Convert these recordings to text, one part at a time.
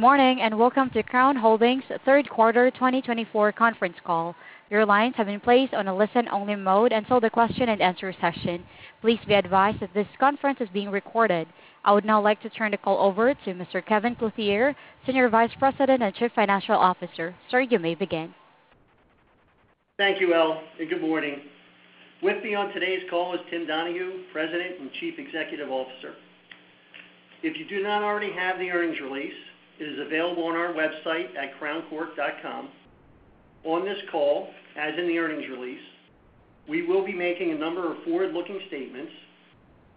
Good morning, and welcome to Crown Holdings' third quarter twenty twenty-four conference call. Your lines have been placed on a listen-only mode until the question-and-answer session. Please be advised that this conference is being recorded. I would now like to turn the call over to Mr. Kevin Clothier, Senior Vice President and Chief Financial Officer. Sir, you may begin. Thank you, Elle, and good morning. With me on today's call is Tim Donahue, President and Chief Executive Officer. If you do not already have the earnings release, it is available on our website at crowncork.com. On this call, as in the earnings release, we will be making a number of forward-looking statements.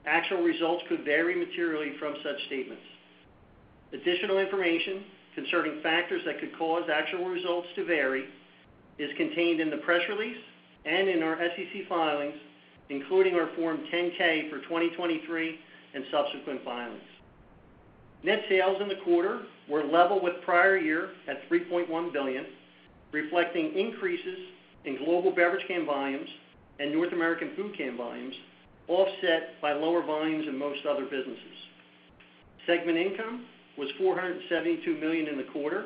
Actual results could vary materially from such statements. Additional information concerning factors that could cause actual results to vary is contained in the press release and in our SEC filings, including our Form 10-K for 2023 and subsequent filings. Net sales in the quarter were level with prior year at $3.1 billion, reflecting increases in global beverage can volumes and North American food can volumes, offset by lower volumes in most other businesses. Segment income was $472 million in the quarter,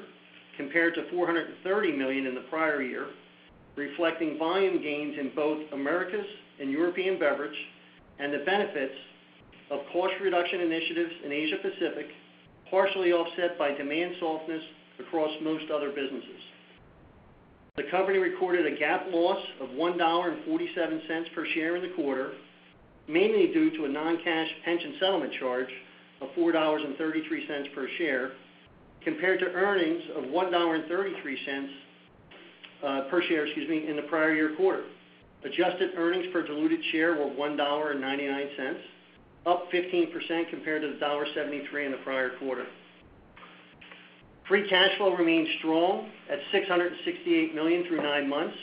compared to $430 million in the prior year, reflecting volume gains in both Americas and European Beverage, and the benefits of cost reduction initiatives in Asia Pacific, partially offset by demand softness across most other businesses. The company recorded a GAAP loss of $1.47 per share in the quarter, mainly due to a non-cash pension settlement charge of $4.33 per share, compared to earnings of $1.33 per share, excuse me, in the prior year quarter. Adjusted earnings per diluted share were $1.99, up 15% compared to $0.73 in the prior quarter. Free cash flow remained strong at $668 million through nine months,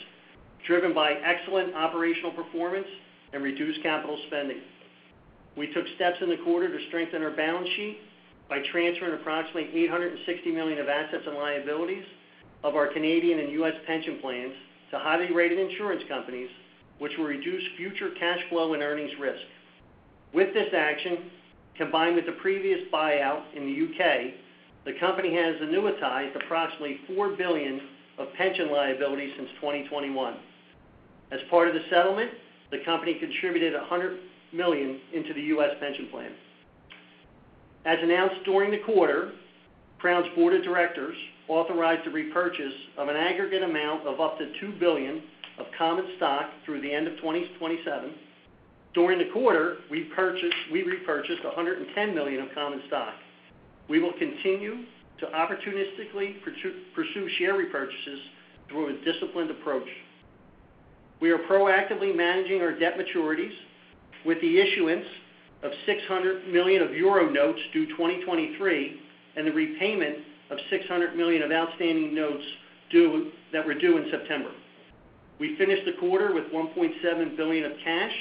driven by excellent operational performance and reduced capital spending. We took steps in the quarter to strengthen our balance sheet by transferring approximately $860 million of assets and liabilities of our Canadian and U.S. pension plans to highly rated insurance companies, which will reduce future cash flow and earnings risk. With this action, combined with the previous buyout in the U.K., the company has annuitized approximately $4 billion of pension liability since 2021. As part of the settlement, the company contributed $100 million into the U.S. pension plan. As announced during the quarter, Crown's Board of Directors authorized the repurchase of an aggregate amount of up to $2 billion of common stock through the end of 2027. During the quarter, we repurchased $110 million of common stock. We will continue to opportunistically pursue share repurchases through a disciplined approach. We are proactively managing our debt maturities with the issuance of 600 million of euro notes due 2023, and the repayment of $600 million of outstanding notes that were due in September. We finished the quarter with $1.7 billion of cash,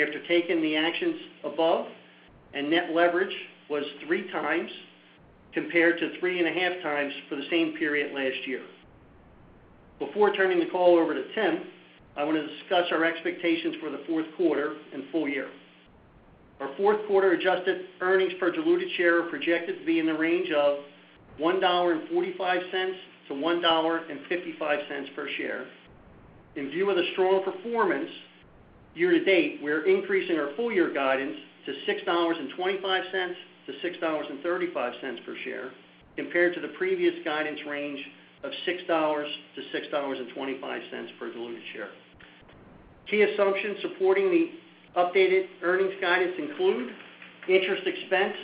after taking the actions above, and net leverage was 3 times, compared to 3.5 times for the same period last year. Before turning the call over to Tim, I want to discuss our expectations for the fourth quarter and full year. Our fourth quarter adjusted earnings per diluted share are projected to be in the range of $1.45 to $1.55 per share. In view of the strong performance year to date, we are increasing our full year guidance to $6.25-$6.35 per share, compared to the previous guidance range of $6-$6.25 per diluted share. Key assumptions supporting the updated earnings guidance include: interest expense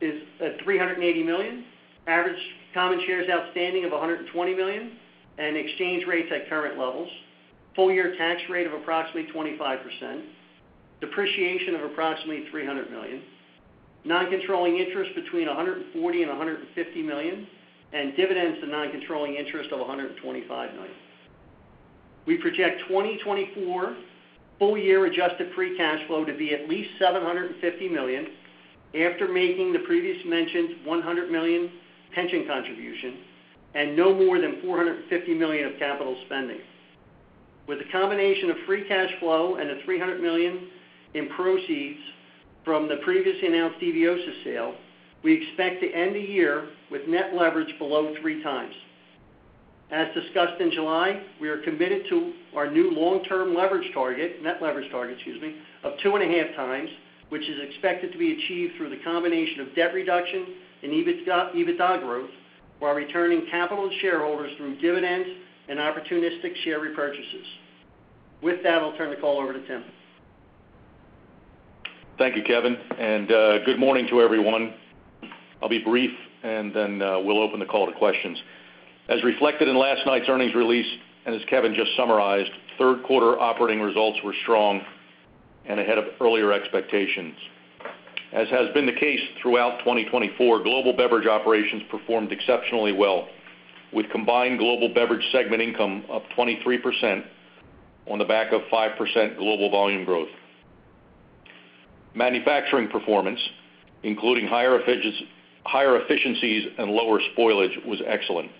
is at $380 million, average common shares outstanding of 120 million, and exchange rates at current levels, full year tax rate of approximately 25%, depreciation of approximately $300 million, non-controlling interest between $140 million and $150 million, and dividends to non-controlling interest of $125 million. We project 2024 full year adjusted free cash flow to be at least $750 million, after making the previously mentioned $100 million pension contribution and no more than $450 million of capital spending. With a combination of free cash flow and $300 million in proceeds from the previously announced Eviosys sale, we expect to end the year with net leverage below three times. As discussed in July, we are committed to our new long-term leverage target, net leverage target, excuse me, of two and a half times, which is expected to be achieved through the combination of debt reduction and EBITDA growth, while returning capital to shareholders through dividends and opportunistic share repurchases. With that, I'll turn the call over to Tim. Thank you, Kevin, and good morning to everyone. I'll be brief, and then we'll open the call to questions. As reflected in last night's earnings release, and as Kevin just summarized, third quarter operating results were strong and ahead of earlier expectations. As has been the case throughout 2024, global beverage operations performed exceptionally well, with combined global beverage segment income up 23% on the back of 5% global volume growth. Manufacturing performance, including higher efficiencies and lower spoilage, was excellent.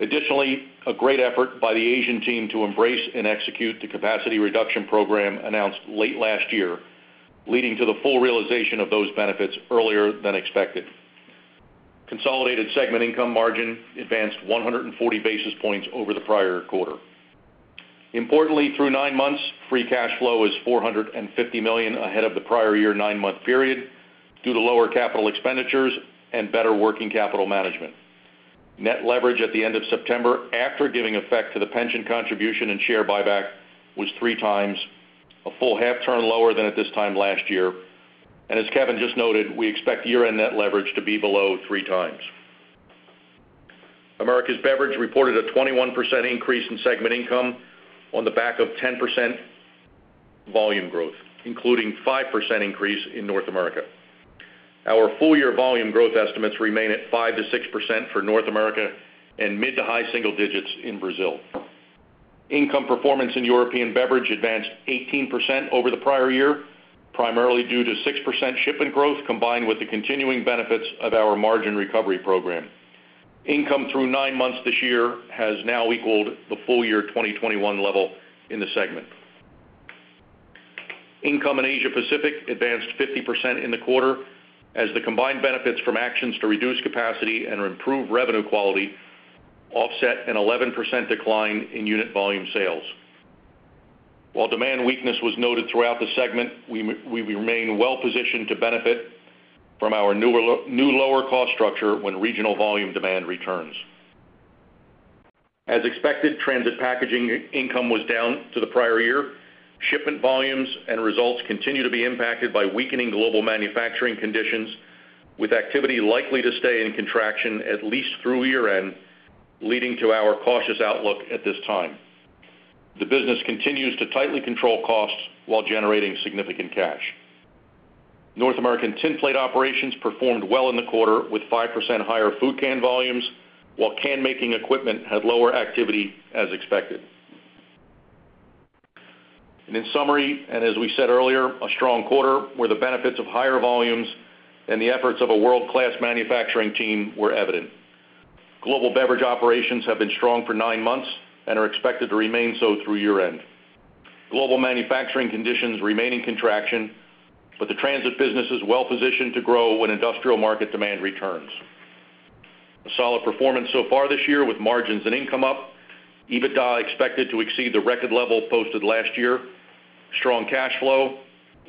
Additionally, a great effort by the Asian team to embrace and execute the capacity reduction program announced late last year, leading to the full realization of those benefits earlier than expected. Consolidated segment income margin advanced 100 basis points over the prior quarter. Importantly, through nine months, free cash flow is $450 million ahead of the prior year nine-month period, due to lower capital expenditures and better working capital management. Net leverage at the end of September, after giving effect to the pension contribution and share buyback, was three times, a full half turn lower than at this time last year, and as Kevin just noted, we expect year-end net leverage to be below three times. Americas Beverage reported a 21% increase in segment income on the back of 10% volume growth, including 5% increase in North America. Our full-year volume growth estimates remain at 5%-6% for North America and mid to high single digits in Brazil. Income performance in European Beverage advanced 18% over the prior year, primarily due to 6% shipment growth, combined with the continuing benefits of our margin recovery program. Income through nine months this year has now equaled the full year 2021 level in the segment. Income in Asia Pacific advanced 50% in the quarter as the combined benefits from actions to reduce capacity and improve revenue quality offset an 11% decline in unit volume sales. While demand weakness was noted throughout the segment, we remain well positioned to benefit from our new, lower cost structure when regional volume demand returns. As expected, Transit Packaging income was down to the prior year. Shipment volumes and results continue to be impacted by weakening global manufacturing conditions, with activity likely to stay in contraction at least through year-end, leading to our cautious outlook at this time. The business continues to tightly control costs while generating significant cash. North American tinplate operations performed well in the quarter, with 5% higher food can volumes, while can-making equipment had lower activity as expected, and in summary, and as we said earlier, a strong quarter where the benefits of higher volumes and the efforts of a world-class manufacturing team were evident. Global beverage operations have been strong for nine months and are expected to remain so through year-end. Global manufacturing conditions remain in contraction, but the transit business is well positioned to grow when industrial market demand returns. A solid performance so far this year, with margins and income up, EBITDA expected to exceed the record level posted last year, strong cash flow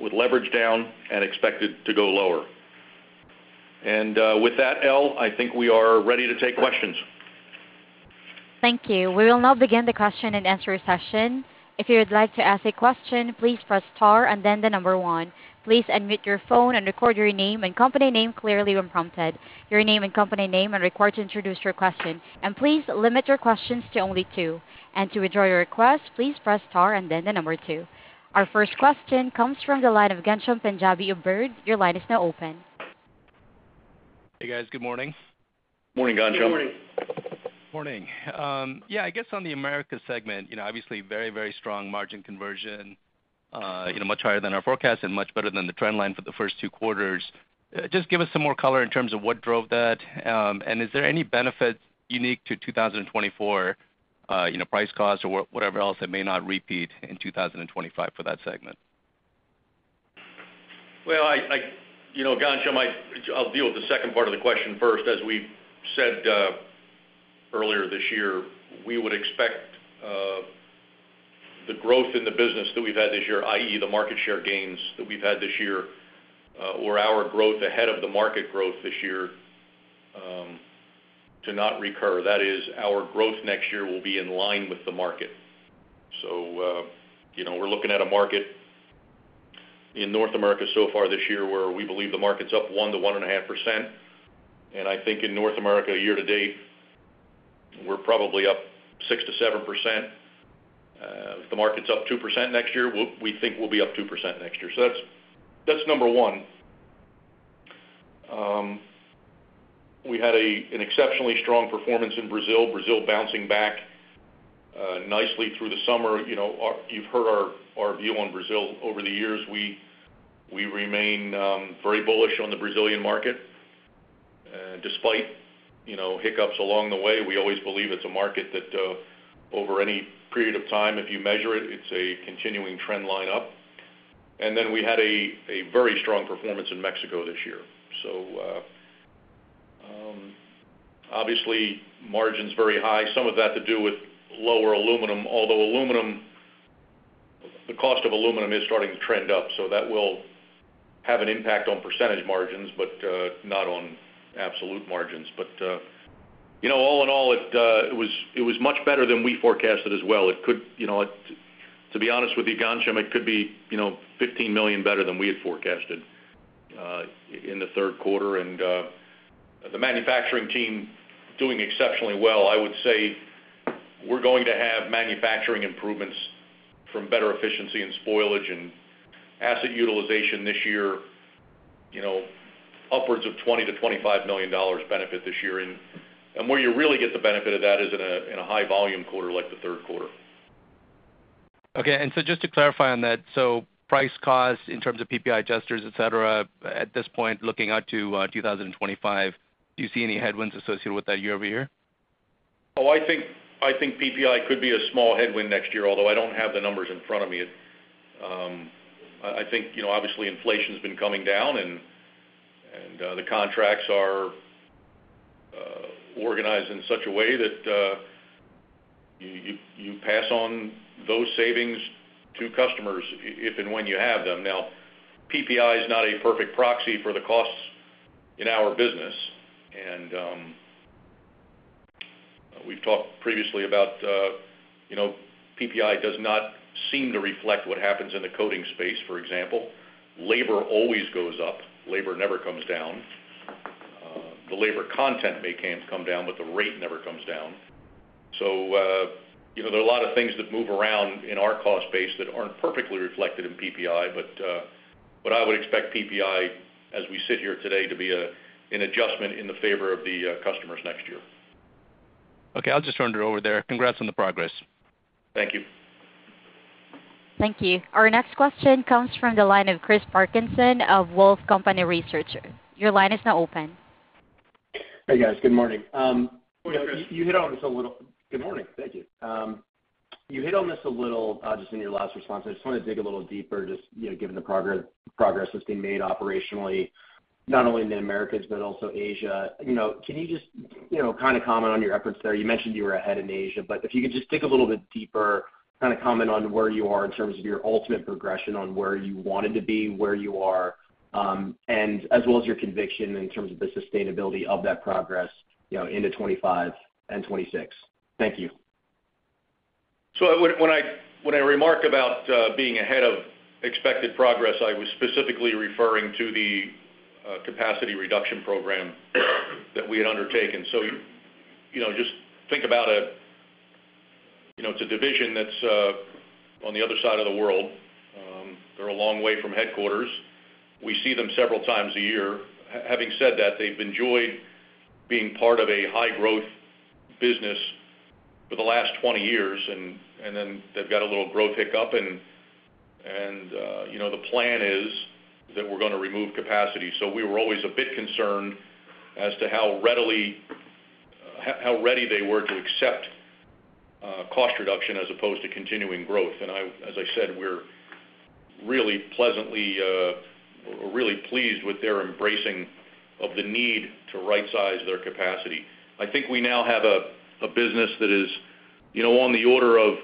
with leverage down and expected to go lower, and with that, Tim, I think we are ready to take questions. Thank you. We will now begin the question-and-answer session. If you would like to ask a question, please press star and then the number one. Please unmute your phone and record your name and company name clearly when prompted. Your name and company name are required to introduce your question, and please limit your questions to only two. And to withdraw your request, please press star and then the number two. Our first question comes from the line of Ghansham Panjabi of Baird. Your line is now open. Hey, guys. Good morning. Morning, Ghansham. Good morning. Morning. Yeah, I guess on the Americas segment, you know, obviously very, very strong margin conversion, you know, much higher than our forecast and much better than the trend line for the first two quarters. Just give us some more color in terms of what drove that. And is there any benefit unique to two thousand and twenty-four, you know, price, cost, or whatever else that may not repeat in 2025 for that segment? You know, Ghansham, I'll deal with the second part of the question first. As we said, earlier this year, we would expect the growth in the business that we've had this year, i.e., the market share gains that we've had this year, or our growth ahead of the market growth this year, to not recur. That is, our growth next year will be in line with the market. You know, we're looking at a market in North America so far this year, where we believe the market's up 1-1.5%. I think in North America, year to date, we're probably up 6-7%. If the market's up 2% next year, we think we'll be up 2% next year. That's number one. We had an exceptionally strong performance in Brazil. Brazil bouncing back nicely through the summer. You know, our, you've heard our view on Brazil over the years. We remain very bullish on the Brazilian market. Despite you know, hiccups along the way, we always believe it's a market that over any period of time, if you measure it, it's a continuing trend line up, and then we had a very strong performance in Mexico this year, so obviously margin's very high. Some of that to do with lower aluminum, although aluminum, the cost of aluminum is starting to trend up, so that will have an impact on percentage margins, but not on absolute margins, but you know, all in all, it was much better than we forecasted as well. It could, you know, it to be honest with you, Ghansham, it could be, you know, $15 million better than we had forecasted in the third quarter. The manufacturing team doing exceptionally well. I would say we're going to have manufacturing improvements from better efficiency and spoilage and asset utilization this year, you know, upwards of $20-$25 million benefit this year. Where you really get the benefit of that is in a high volume quarter like the third quarter.... Okay, and so just to clarify on that, so price cost in terms of PPI adjusters, et cetera, at this point, looking out to 2025, do you see any headwinds associated with that year-over-year? I think PPI could be a small headwind next year, although I don't have the numbers in front of me. I think, you know, obviously, inflation's been coming down, and the contracts are organized in such a way that you pass on those savings to customers if and when you have them. Now, PPI is not a perfect proxy for the costs in our business. We've talked previously about, you know, PPI does not seem to reflect what happens in the coating space, for example. Labor always goes up, labor never comes down. The labor content may come down, but the rate never comes down. You know, there are a lot of things that move around in our cost base that aren't perfectly reflected in PPI, but I would expect PPI, as we sit here today, to be an adjustment in the favor of the customers next year. Okay, I'll just turn it over there. Congrats on the progress. Thank you. Thank you. Our next question comes from the line of Chris Parkinson of Wolfe Research. Your line is now open. Hey, guys. Good morning. Good morning, Chris. You hit on this a little... Good morning. Thank you. You hit on this a little, just in your last response. I just want to dig a little deeper just, you know, given the progress that's being made operationally, not only in the Americas, but also Asia. You know, can you just, you know, kind of comment on your efforts there? You mentioned you were ahead in Asia, but if you could just dig a little bit deeper, kind of comment on where you are in terms of your ultimate progression on where you wanted to be, where you are, and as well as your conviction in terms of the sustainability of that progress, you know, into 2025 and 2026. Thank you. So when I remark about being ahead of expected progress, I was specifically referring to the capacity reduction program that we had undertaken. So, you know, just think about it, you know, it's a division that's on the other side of the world. They're a long way from headquarters. We see them several times a year. Having said that, they've enjoyed being part of a high-growth business for the last twenty years, and then they've got a little growth hiccup, and you know, the plan is that we're gonna remove capacity. So we were always a bit concerned as to how ready they were to accept cost reduction as opposed to continuing growth. And as I said, we're really pleasantly really pleased with their embracing of the need to rightsize their capacity. I think we now have a business that is, you know, on the order of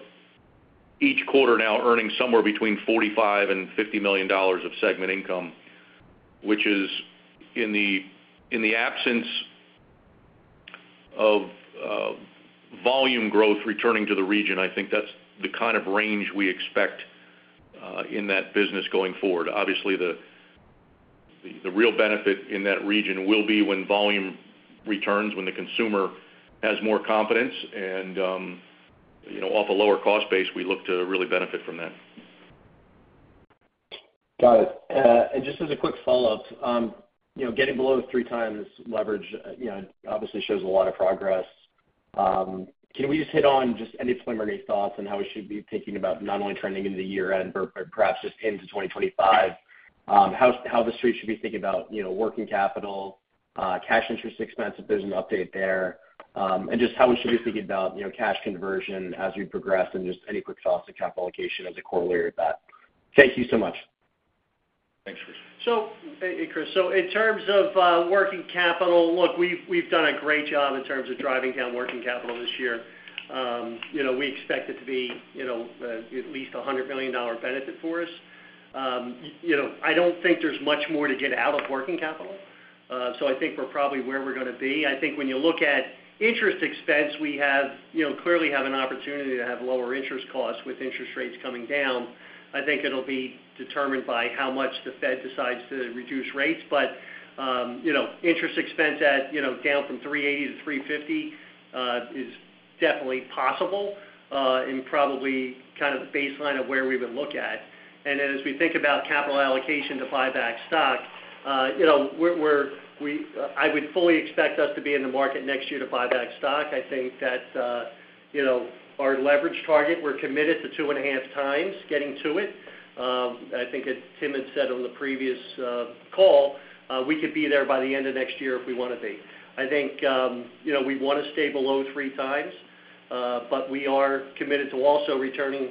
each quarter now earning somewhere between $45 million and $50 million of segment income, which is in the absence of volume growth returning to the region. I think that's the kind of range we expect in that business going forward. Obviously, the real benefit in that region will be when volume returns, when the consumer has more confidence, and you know, off a lower cost base, we look to really benefit from that. Got it. And just as a quick follow-up, you know, getting below three times leverage, you know, obviously shows a lot of progress. Can we just hit on any preliminary thoughts on how we should be thinking about not only trending into the year-end, but perhaps just into twenty twenty-five? How the Street should be thinking about, you know, working capital, cash interest expense, if there's an update there, and just how we should be thinking about, you know, cash conversion as we progress, and just any quick thoughts on capital allocation as a corollary of that? Thank you so much. Thanks, Chris. Hey, Chris. In terms of working capital, look, we've done a great job in terms of driving down working capital this year. You know, we expect it to be, you know, at least $100 million benefit for us. You know, I don't think there's much more to get out of working capital. So I think we're probably where we're gonna be. I think when you look at interest expense, we, you know, clearly have an opportunity to have lower interest costs with interest rates coming down. I think it'll be determined by how much the Fed decides to reduce rates. But, you know, interest expense, you know, down from $380 to $350 is definitely possible, and probably kind of the baseline of where we would look at. And then as we think about capital allocation to buy back stock, you know, I would fully expect us to be in the market next year to buy back stock. I think that, you know, our leverage target, we're committed to two and a half times getting to it. I think as Tim had said on the previous call, we could be there by the end of next year if we want to be. I think, you know, we want to stay below three times, but we are committed to also returning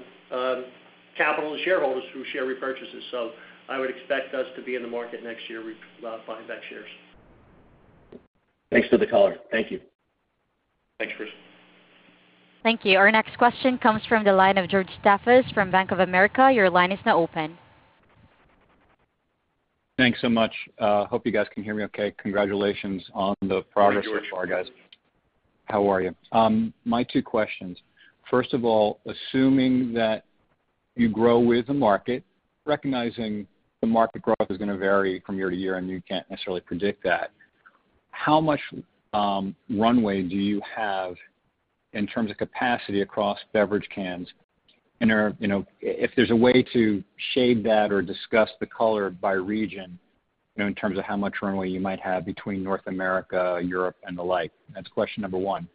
capital to shareholders through share repurchases. So I would expect us to be in the market next year, buying back shares. Thanks to the caller. Thank you. Thanks, Chris. Thank you. Our next question comes from the line of George Staphos from Bank of America. Your line is now open. Thanks so much. Hope you guys can hear me okay. Congratulations on the progress so far, guys. Hi, George. How are you? My two questions: First of all, assuming that you grow with the market, recognizing the market growth is gonna vary from year to year, and you can't necessarily predict that, how much runway do you have in terms of capacity across beverage cans? And you know, if there's a way to shade that or discuss the color by region? You know, in terms of how much runway you might have between North America, Europe, and the like. That's question number one.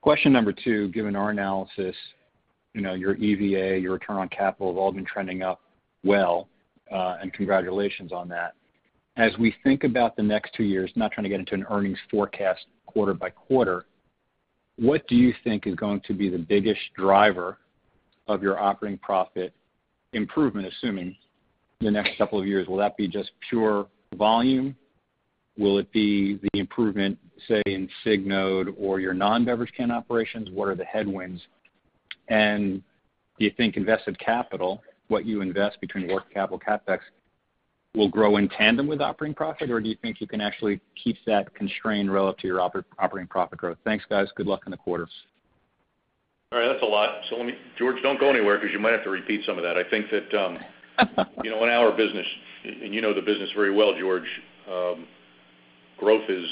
Question number two, given our analysis, you know, your EVA, your return on capital have all been trending up well, and congratulations on that. As we think about the next two years, not trying to get into an earnings forecast quarter by quarter, what do you think is going to be the biggest driver of your operating profit improvement, assuming the next couple of years? Will that be just pure volume? Will it be the improvement, say, in Signode or your non-beverage can operations? What are the headwinds? And do you think invested capital, what you invest between working capital, CapEx, will grow in tandem with operating profit, or do you think you can actually keep that constrained relative to your operating profit growth? Thanks, guys. Good luck on the quarter. All right, that's a lot. So let me, George, don't go anywhere, 'cause you might have to repeat some of that. I think that, you know, in our business, and you know the business very well, George, growth is,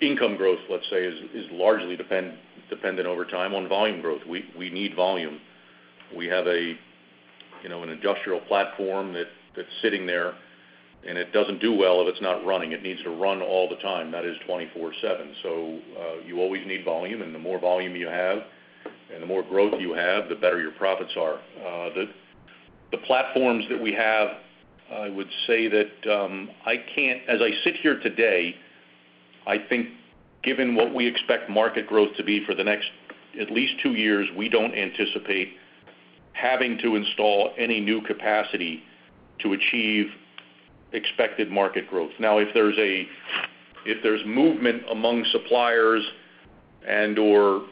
income growth, let's say, is largely dependent over time on volume growth. We need volume. We have a, you know, an industrial platform that's sitting there, and it doesn't do well if it's not running. It needs to run all the time. That is twenty-four seven. So you always need volume, and the more volume you have, and the more growth you have, the better your profits are. The platforms that we have, I would say that I can't as I sit here today, I think given what we expect market growth to be for the next at least two years, we don't anticipate having to install any new capacity to achieve expected market growth. Now, if there's movement among suppliers and/or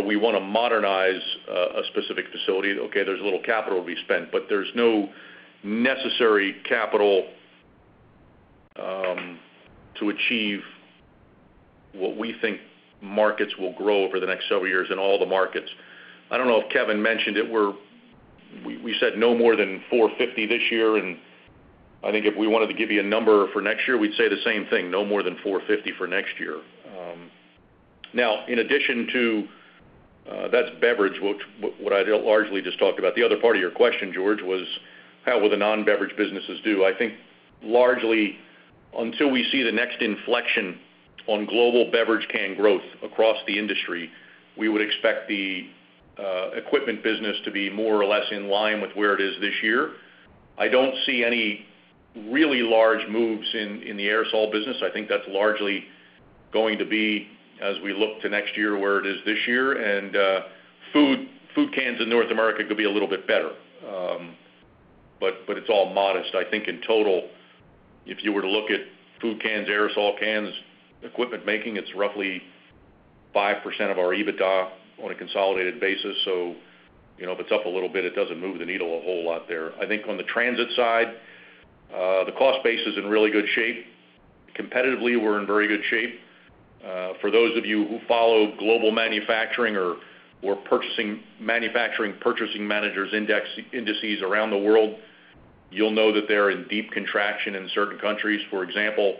we wanna modernize a specific facility, okay, there's a little capital to be spent, but there's no necessary capital to achieve what we think markets will grow over the next several years in all the markets. I don't know if Kevin mentioned it, we said no more than $450 million this year, and I think if we wanted to give you a number for next year, we'd say the same thing, no more than $450 million for next year. Now, in addition to that's beverage, which I largely just talked about. The other part of your question, George, was how will the non-beverage businesses do? I think largely, until we see the next inflection on global beverage can growth across the industry, we would expect the equipment business to be more or less in line with where it is this year. I don't see any really large moves in the aerosol business. I think that's largely going to be, as we look to next year, where it is this year, and food cans in North America could be a little bit better. But it's all modest. I think in total, if you were to look at food cans, aerosol cans, equipment making, it's roughly 5% of our EBITDA on a consolidated basis. So, you know, if it's up a little bit, it doesn't move the needle a whole lot there. I think on the transit side, the cost base is in really good shape. Competitively, we're in very good shape. For those of you who follow global manufacturing or purchasing managers index, indices around the world, you'll know that they're in deep contraction in certain countries. For example,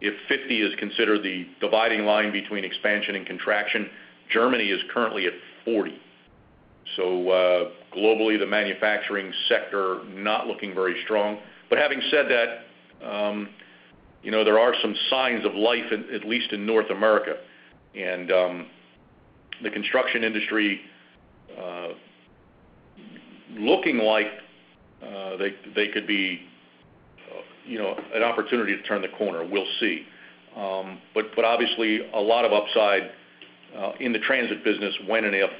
if fifty is considered the dividing line between expansion and contraction, Germany is currently at forty. So, globally, the manufacturing sector, not looking very strong. But having said that, you know, there are some signs of life at least in North America. And, the construction industry looking like they could be, you know, an opportunity to turn the corner. We'll see. But obviously, a lot of upside in the transit business when and if,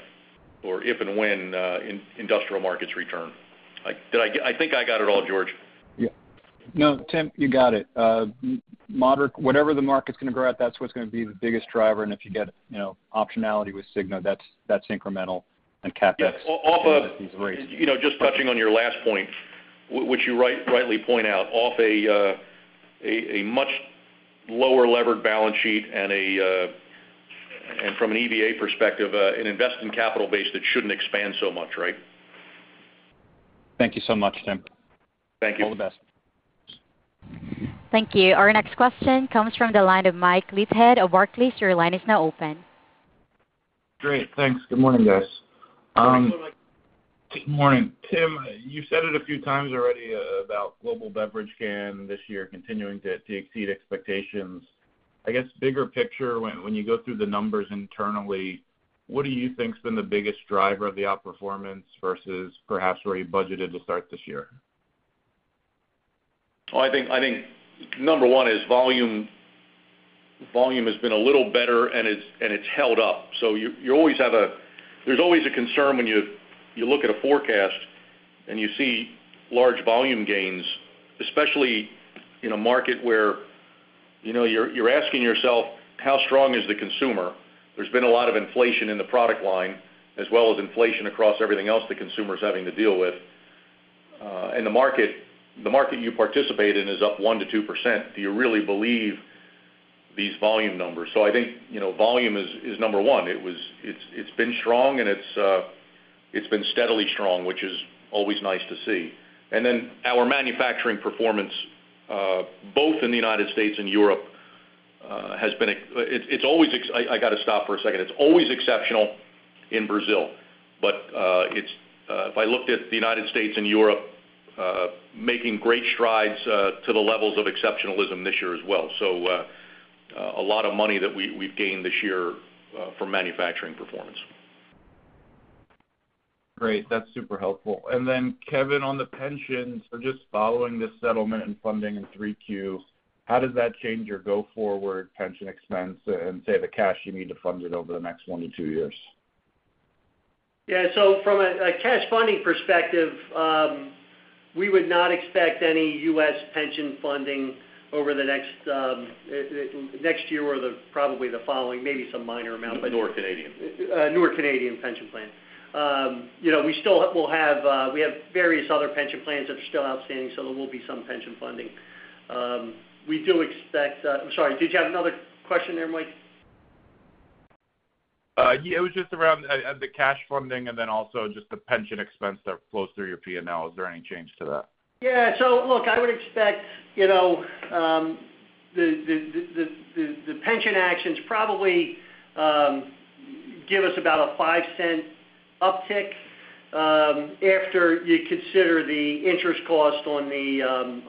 or if and when, industrial markets return. Like, did I get... I think I got it all, George. Yeah. No, Tim, you got it. Whatever the market's gonna grow at, that's what's gonna be the biggest driver, and if you get, you know, optionality with Signode, that's, that's incremental and CapEx. Yeah. Off of, you know, just touching on your last point, which you rightly point out, off a much lower levered balance sheet and from an EVA perspective, an investment capital base that shouldn't expand so much, right? Thank you so much, Tim. Thank you. All the best. Thank you. Our next question comes from the line of Mike Leithead of Barclays. Your line is now open. Great. Thanks. Good morning, guys. Good morning, Tim. You've said it a few times already about global beverage can this year continuing to exceed expectations. I guess, bigger picture, when you go through the numbers internally, what do you think has been the biggest driver of the outperformance versus perhaps where you budgeted to start this year? I think number one is volume. Volume has been a little better, and it's held up. So you always have a concern when you look at a forecast and you see large volume gains, especially in a market where, you know, you're asking yourself: How strong is the consumer? There's been a lot of inflation in the product line, as well as inflation across everything else the consumer is having to deal with. And the market, the market you participate in is up 1%-2%. Do you really believe these volume numbers? So I think, you know, volume is number one. It was. It's been strong, and it's been steadily strong, which is always nice to see. And then our manufacturing performance both in the United States and Europe has been a, it, it's always exceptional in Brazil, but it's, if I looked at the United States and Europe making great strides to the levels of exceptionalism this year as well. So a lot of money that we've gained this year from manufacturing performance. Great, that's super helpful. And then, Kevin, on the pensions, so just following this settlement and funding in 3Q, how does that change your go-forward pension expense and, say, the cash you need to fund it over the next one to two years? Yeah. So from a cash funding perspective, we would not expect any U.S. pension funding over the next year or probably the following, maybe some minor amount, but- North Canadian. Our Canadian pension plan. You know, we still will have, we have various other pension plans that are still outstanding, so there will be some pension funding. We do expect. I'm sorry, did you have another question there, Mike? Yeah, it was just around the cash funding, and then also just the pension expense that flows through your P&L. Is there any change to that? Yeah. So look, I would expect, you know, the pension actions probably give us about a $0.05 uptick, after you consider the interest cost on the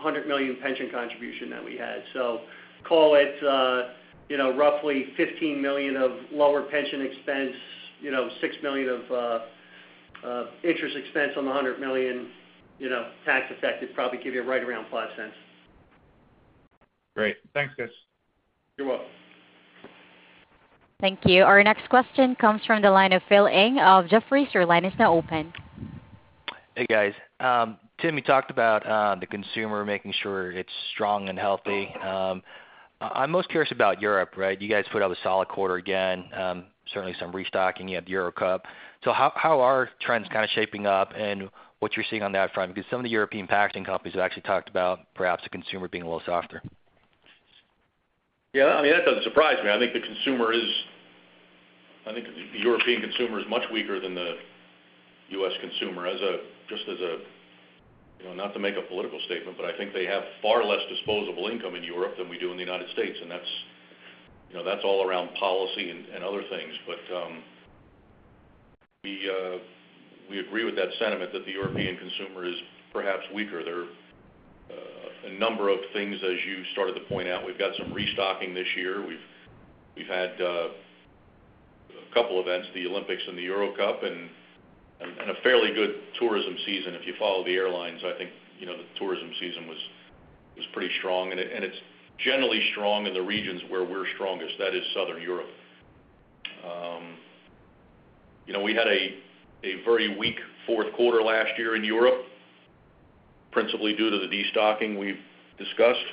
$100 million pension contribution that we had. So call it, you know, roughly $15 million of lower pension expense, you know, $6 million of interest expense on the $100 million, you know, tax effect, it'd probably give you right around $0.05. Great. Thanks, guys. You're welcome. Thank you. Our next question comes from the line of Phil Ng of Jefferies. Your line is now open. Hey, guys. Tim, you talked about the consumer making sure it's strong and healthy. I'm most curious about Europe, right? You guys put out a solid quarter again, certainly some restocking. You had the Euro Cup. So how are trends kind of shaping up and what you're seeing on that front? Because some of the European packaging companies have actually talked about perhaps the consumer being a little softer. Yeah, I mean, that doesn't surprise me. I think the European consumer is much weaker than the U.S. consumer as a, just as a, you know, not to make a political statement, but I think they have far less disposable income in Europe than we do in the United States. And that's, you know, that's all around policy and, and other things. But we agree with that sentiment that the European consumer is perhaps weaker. There are a number of things, as you started to point out. We've got some restocking this year. We've had a couple events, the Olympics and the Euro Cup, and a fairly good tourism season. If you follow the airlines, I think, you know, the tourism season was pretty strong, and it's generally strong in the regions where we're strongest, that is Southern Europe. You know, we had a very weak fourth quarter last year in Europe, principally due to the destocking we've discussed.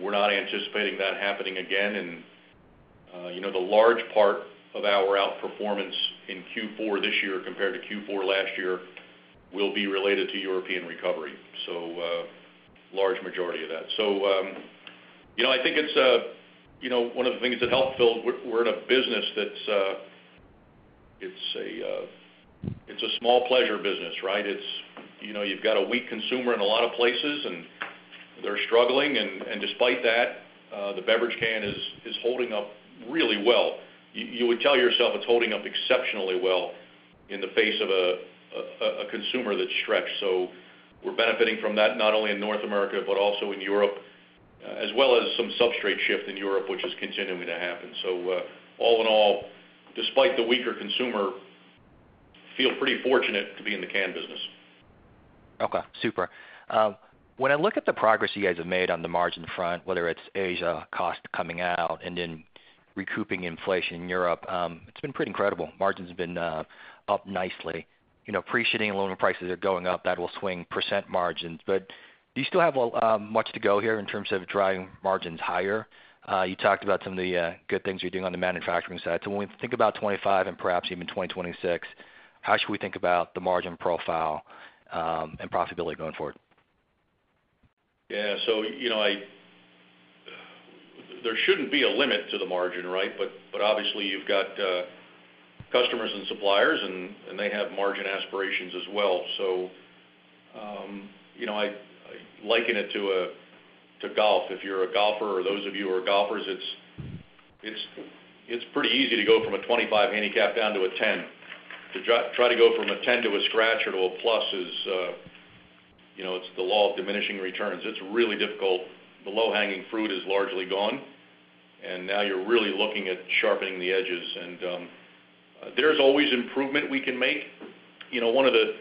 We're not anticipating that happening again, and you know, the large part of our outperformance in Q4 this year compared to Q4 last year will be related to European recovery, so large majority of that. You know, I think it's one of the things that helped, Phil, we're in a business that's a small pleasure business, right? It's, you know, you've got a weak consumer in a lot of places, and they're struggling, and despite that, the beverage can is holding up really well. You would tell yourself it's holding up exceptionally well in the face of a consumer that's stretched. So we're benefiting from that, not only in North America, but also in Europe, as well as some substrate shift in Europe, which is continuing to happen. So, all in all, despite the weaker consumer, feel pretty fortunate to be in the can business. Okay, super. When I look at the progress you guys have made on the margin front, whether it's Asia cost coming out and then recouping inflation in Europe, it's been pretty incredible. Margins have been up nicely. You know, appreciating aluminum prices are going up, that will swing percent margins, but do you still have a much to go here in terms of driving margins higher? You talked about some of the good things you're doing on the manufacturing side. So when we think about 2025 and perhaps even 2026, how should we think about the margin profile and profitability going forward? Yeah, so you know, there shouldn't be a limit to the margin, right? But obviously, you've got customers and suppliers, and they have margin aspirations as well. So you know, I liken it to golf. If you're a golfer or those of you who are golfers, it's pretty easy to go from a 25 handicap down to a 10. To try to go from a 10 to a scratch or to a plus is, you know, it's the law of diminishing returns. It's really difficult. The low-hanging fruit is largely gone, and now you're really looking at sharpening the edges. And there's always improvement we can make. You know, one of the,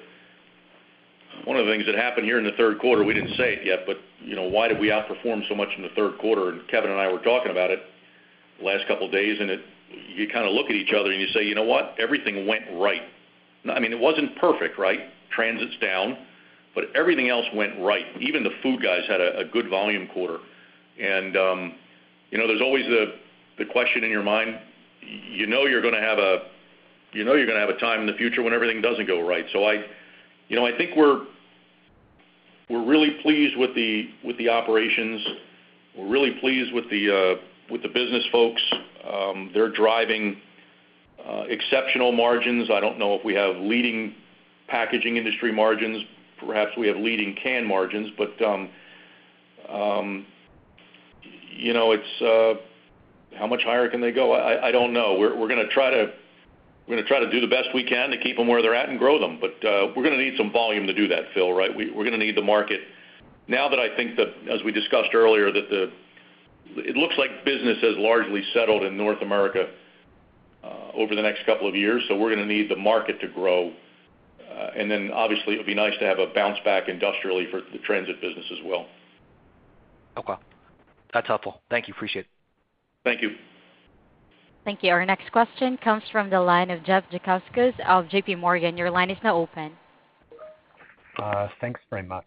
one of the things that happened here in the third quarter, we didn't say it yet, but, you know, why did we outperform so much in the third quarter? And Kevin and I were talking about it the last couple of days, and it, you kind of look at each other, and you say, "You know what? Everything went right." I mean, it wasn't perfect, right? Transit's down, but everything else went right. Even the food guys had a good volume quarter. And, you know, there's always the question in your mind, you know you're gonna have a, you know you're gonna have a time in the future when everything doesn't go right. So I, you know, I think we're really pleased with the operations. We're really pleased with the business folks. They're driving-... Exceptional margins. I don't know if we have leading packaging industry margins. Perhaps we have leading can margins, but, you know, it's, how much higher can they go? I don't know. We're gonna try to-- we're gonna try to do the best we can to keep them where they're at and grow them, but, we're gonna need some volume to do that, Phil, right? We're gonna need the market. Now that I think that, as we discussed earlier, that the-- it looks like business has largely settled in North America, over the next couple of years, so we're gonna need the market to grow. And then, obviously, it'll be nice to have a bounce back industrially for the transit business as well. Okay. That's helpful. Thank you, appreciate it. Thank you. Thank you. Our next question comes from the line of Jeff Zekauskas of JPMorgan. Your line is now open. Thanks very much.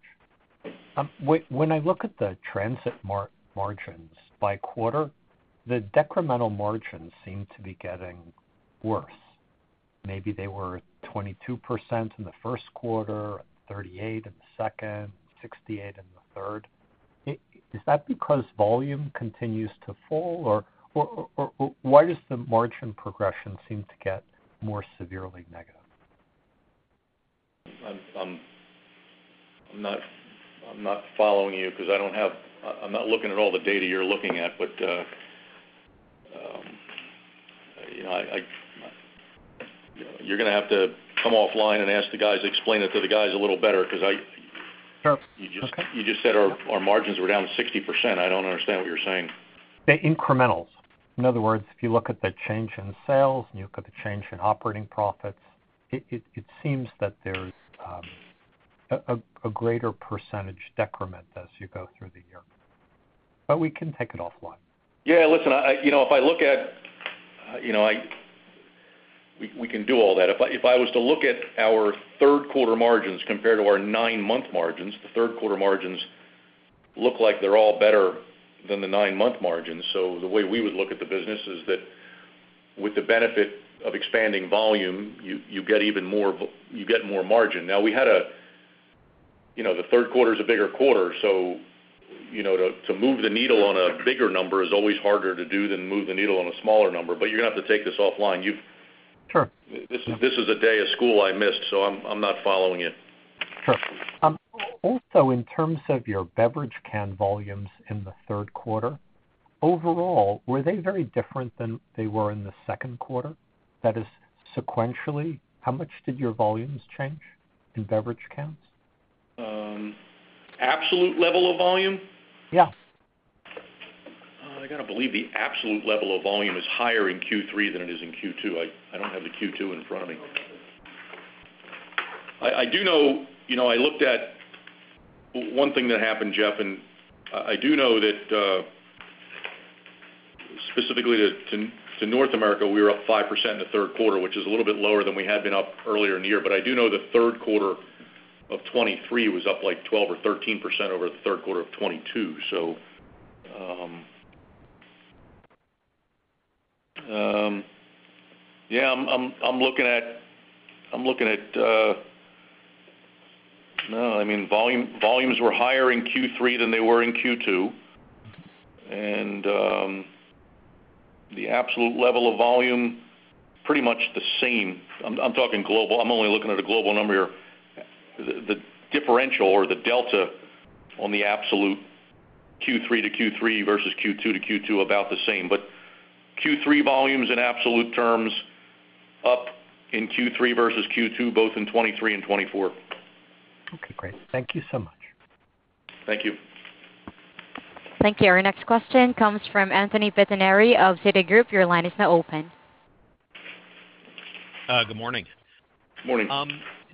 When I look at the transit margins by quarter, the decremental margins seem to be getting worse. Maybe they were 22% in the first quarter, 38% in the second, 68% in the third. Is that because volume continues to fall, or why does the margin progression seem to get more severely negative? I'm not following you because I don't have-- I'm not looking at all the data you're looking at, but, you know, you're gonna have to come offline and ask the guys to explain it to the guys a little better because I- Sure. You just- Okay. You just said our margins were down 60%. I don't understand what you're saying. The incrementals. In other words, if you look at the change in sales, and you look at the change in operating profits, it seems that there's a greater percentage decrement as you go through the year, but we can take it offline. Yeah, listen, you know, if I look at... We can do all that. If I was to look at our third quarter margins compared to our nine-month margins, the third quarter margins look like they're all better than the nine-month margins. So the way we would look at the business is that with the benefit of expanding volume, you get even more v- you get more margin. Now, you know, the third quarter is a bigger quarter, so, you know, to move the needle on a bigger number is always harder to do than move the needle on a smaller number, but you're gonna have to take this offline. You've- Sure. This is a day of school I missed, so I'm not following it. Sure. Also, in terms of your beverage can volumes in the third quarter, overall, were they very different than they were in the second quarter? That is, sequentially, how much did your volumes change in beverage cans? Absolute level of volume? Yeah. I gotta believe the absolute level of volume is higher in Q3 than it is in Q2. I don't have the Q2 in front of me. I do know, you know, I looked at one thing that happened, Jeff, and I do know that, specifically to North America, we were up 5% in the third quarter, which is a little bit lower than we had been up earlier in the year. But I do know the third quarter of 2023 was up, like, 12% or 13% over the third quarter of 2022. So, I'm looking at. No, I mean, volume, volumes were higher in Q3 than they were in Q2, and the absolute level of volume, pretty much the same. I'm talking global. I'm only looking at a global number here. The differential or the delta on the absolute Q3 to Q3 versus Q2 to Q2, about the same. But Q3 volumes in absolute terms up in Q3 versus Q2, both in 2023 and 2024. Okay, great. Thank you so much. Thank you. Thank you. Our next question comes from Anthony Pettinari of Citigroup. Your line is now open. Good morning. Morning.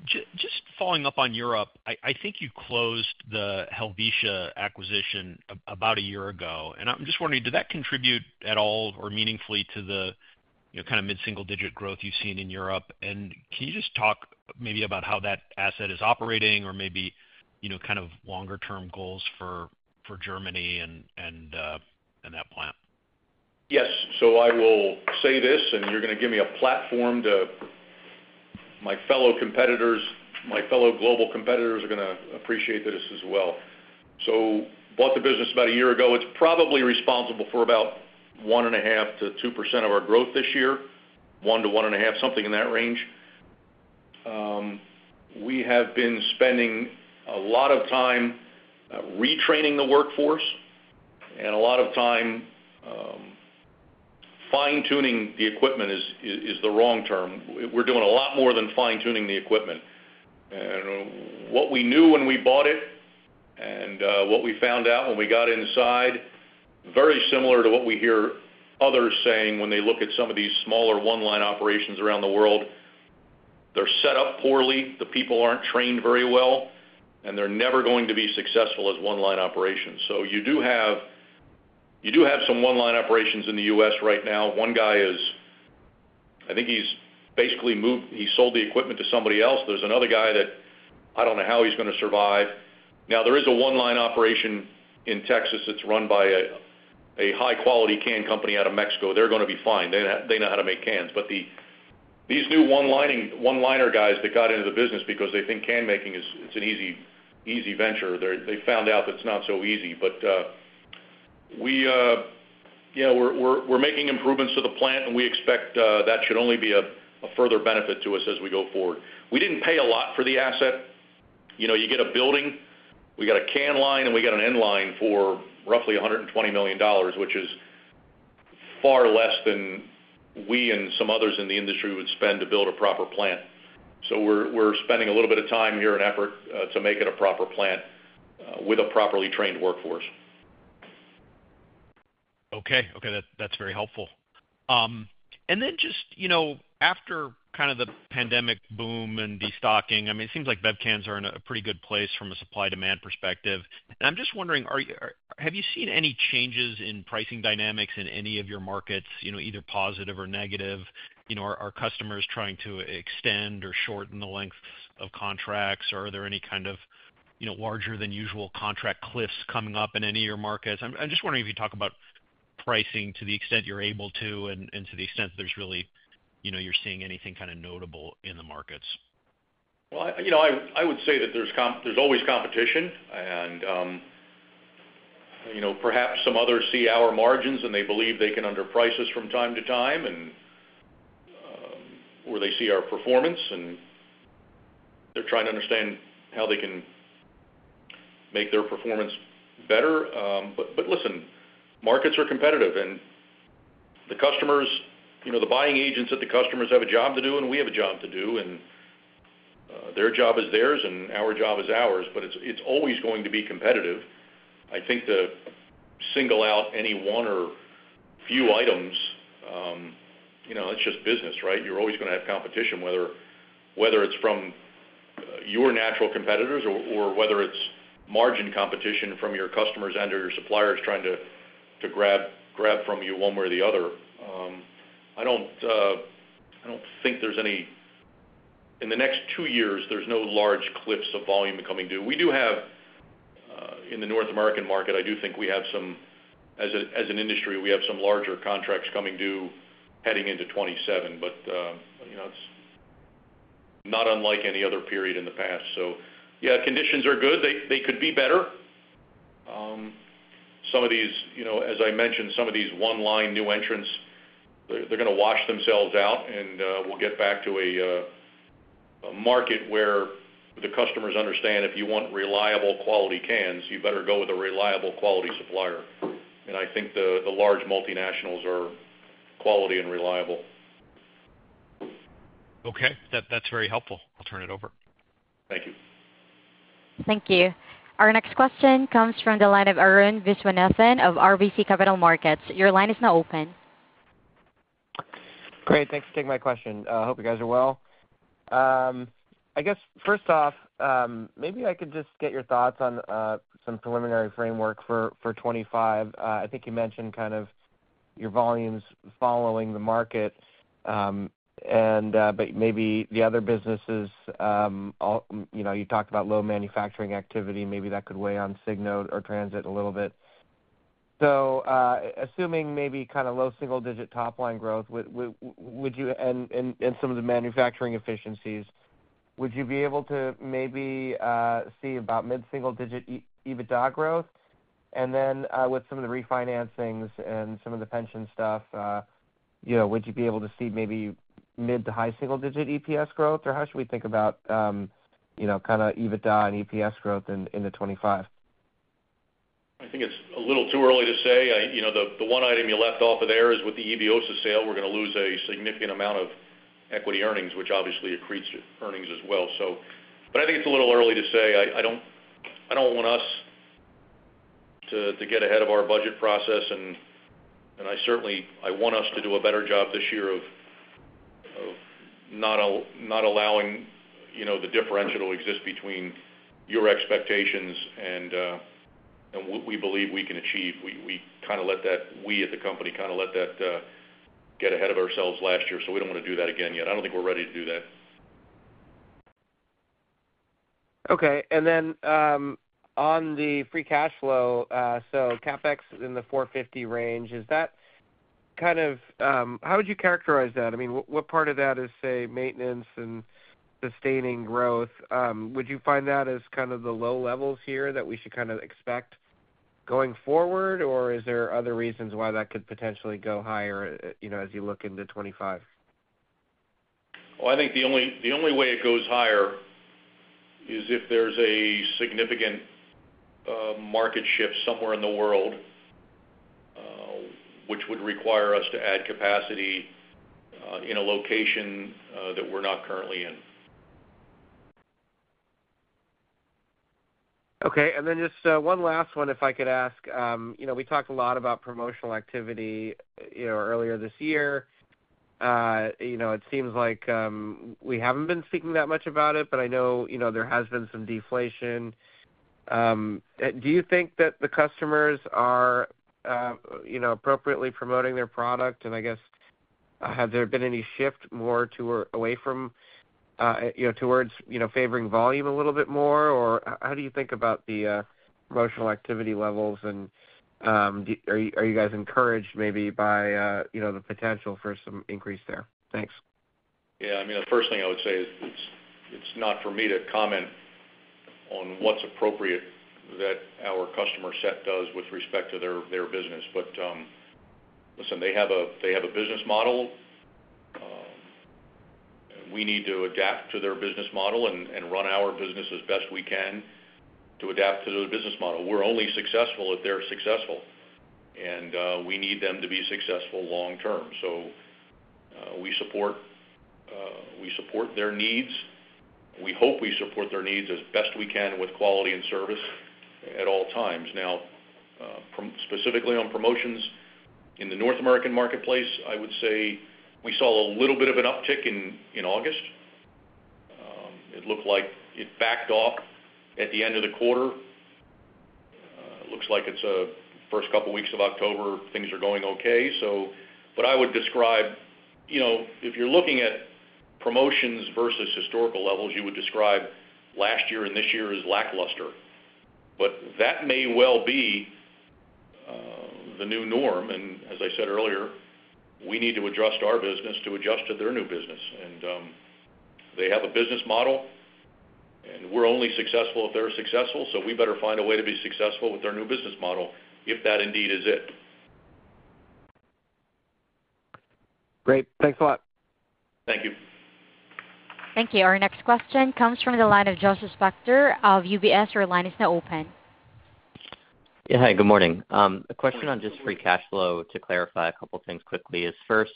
Just following up on Europe, I think you closed the Helvetia acquisition about a year ago, and I'm just wondering, did that contribute at all or meaningfully to the, you know, kind of mid-single digit growth you've seen in Europe? And can you just talk maybe about how that asset is operating or maybe, you know, kind of longer term goals for Germany and that plant? Yes. So I will say this, and you're gonna give me a platform to my fellow competitors, my fellow global competitors are gonna appreciate this as well. So bought the business about a year ago. It's probably responsible for about 1.5%-2% of our growth this year, 1-1.5, something in that range. We have been spending a lot of time retraining the workforce and a lot of time fine-tuning the equipment is the wrong term. We're doing a lot more than fine-tuning the equipment. And what we knew when we bought it and what we found out when we got inside, very similar to what we hear others saying when they look at some of these smaller one-line operations around the world. They're set up poorly, the people aren't trained very well, and they're never going to be successful as one-line operations. So you do have some one-line operations in the U.S. right now. One guy is, I think he's basically moved. He sold the equipment to somebody else. There's another guy that I don't know how he's gonna survive. Now, there is a one-line operation in Texas that's run by a high-quality can company out of Mexico. They're gonna be fine. They know how to make cans. But these new one-lining, one-liner guys that got into the business because they think can making is, it's an easy venture, they're. They found out that it's not so easy. But... We're making improvements to the plant, and we expect that should only be a further benefit to us as we go forward. We didn't pay a lot for the asset. You know, you get a building, we got a can line, and we got an end line for roughly $120 million, which is far less than we and some others in the industry would spend to build a proper plant. So we're spending a little bit of time here and effort to make it a proper plant with a properly trained workforce. Okay, okay, that, that's very helpful. And then just, you know, after kind of the pandemic boom and destocking, I mean, it seems like bev cans are in a pretty good place from a supply-demand perspective. And I'm just wondering, have you seen any changes in pricing dynamics in any of your markets, you know, either positive or negative? You know, are customers trying to extend or shorten the length of contracts, or are there any kind of, you know, larger than usual contract cliffs coming up in any of your markets? I'm just wondering if you talk about pricing to the extent you're able to and to the extent there's really, you know, you're seeing anything kind of notable in the markets. You know, I would say that there's always competition, and you know, perhaps some others see our margins, and they believe they can underprice us from time to time, and, or they see our performance, and they're trying to understand how they can make their performance better. But listen, markets are competitive, and the customers, you know, the buying agents that the customers have a job to do, and we have a job to do, and their job is theirs, and our job is ours, but it's always going to be competitive. I think to single out any one or few items, you know, that's just business, right? You're always gonna have competition, whether it's from your natural competitors or whether it's margin competition from your customers and/or your suppliers trying to grab from you one way or the other. I don't think there's any in the next two years; there's no large cliffs of volume coming due. We do have in the North American market; I do think we have some, as an industry, we have some larger contracts coming due heading into 2027, but you know, it's not unlike any other period in the past. So yeah, conditions are good. They could be better. Some of these, you know, as I mentioned, some of these one-line new entrants, they're gonna wash themselves out, and we'll get back to a market where the customers understand if you want reliable, quality cans, you better go with a reliable, quality supplier. And I think the large multinationals are quality and reliable. Okay. That, that's very helpful. I'll turn it over. Thank you. Thank you. Our next question comes from the line of Arun Viswanathan of RBC Capital Markets. Your line is now open. Great, thanks for taking my question. Hope you guys are well. I guess, first off, maybe I could just get your thoughts on some preliminary framework for 2025. I think you mentioned kind of your volumes following the market, and but maybe the other businesses, all, you know, you talked about low manufacturing activity, maybe that could weigh on Signode or Transit a little bit. So, assuming maybe kind of low single digit top line growth, would you... And some of the manufacturing efficiencies, would you be able to maybe see about mid-single digit EBITDA growth? And then, with some of the refinancings and some of the pension stuff, you know, would you be able to see maybe mid to high single digit EPS growth, or how should we think about, you know, kind of EBITDA and EPS growth in the 2025? I think it's a little too early to say. You know, the one item you left off of there is with the Eviosys sale, we're gonna lose a significant amount of equity earnings, which obviously accretes earnings as well. So, but I think it's a little early to say. I don't want us to get ahead of our budget process, and I certainly want us to do a better job this year of not allowing, you know, the differential to exist between your expectations and what we believe we can achieve. We at the company kinda let that get ahead of ourselves last year, so we don't wanna do that again yet. I don't think we're ready to do that. Okay. Then, on the free cash flow, so CapEx in the $450 million range, is that kind of... How would you characterize that? I mean, what part of that is, say, maintenance and sustaining growth? Would you find that as kind of the low levels here that we should kind of expect going forward, or is there other reasons why that could potentially go higher, you know, as you look into 2025? I think the only way it goes higher is if there's a significant market shift somewhere in the world, which would require us to add capacity in a location that we're not currently in. Okay. And then just, one last one, if I could ask. You know, we talked a lot about promotional activity, you know, earlier this year. You know, it seems like, we haven't been speaking that much about it, but I know, you know, there has been some deflation. Do you think that the customers are, you know, appropriately promoting their product? And I guess, have there been any shift more to or away from, you know, towards, you know, favoring volume a little bit more, or how do you think about the, promotional activity levels? And, are you, are you guys encouraged maybe by, you know, the potential for some increase there? Thanks. Yeah, I mean, the first thing I would say is, it's not for me to comment on what's appropriate that our customer set does with respect to their, their business. But, listen, they have a business model. We need to adapt to their business model and run our business as best we can to adapt to their business model. We're only successful if they're successful, and we need them to be successful long term. So, we support their needs. We hope we support their needs as best we can with quality and service at all times. Now, specifically on promotions, in the North American marketplace, I would say we saw a little bit of an uptick in August. It looked like it backed off at the end of the quarter. It looks like it's the first couple weeks of October, things are going okay. I would describe, you know, if you're looking at promotions versus historical levels, you would describe last year and this year as lackluster, but that may well be the new norm. As I said earlier, we need to adjust our business to adjust to their new business. They have a business model, and we're only successful if they're successful, so we better find a way to be successful with their new business model, if that indeed is it. Great. Thanks a lot. Thank you. Thank you. Our next question comes from the line of Joshua Spector of UBS. Your line is now open. Yeah. Hi, good morning. A question on just free cash flow, to clarify a couple things quickly, is first,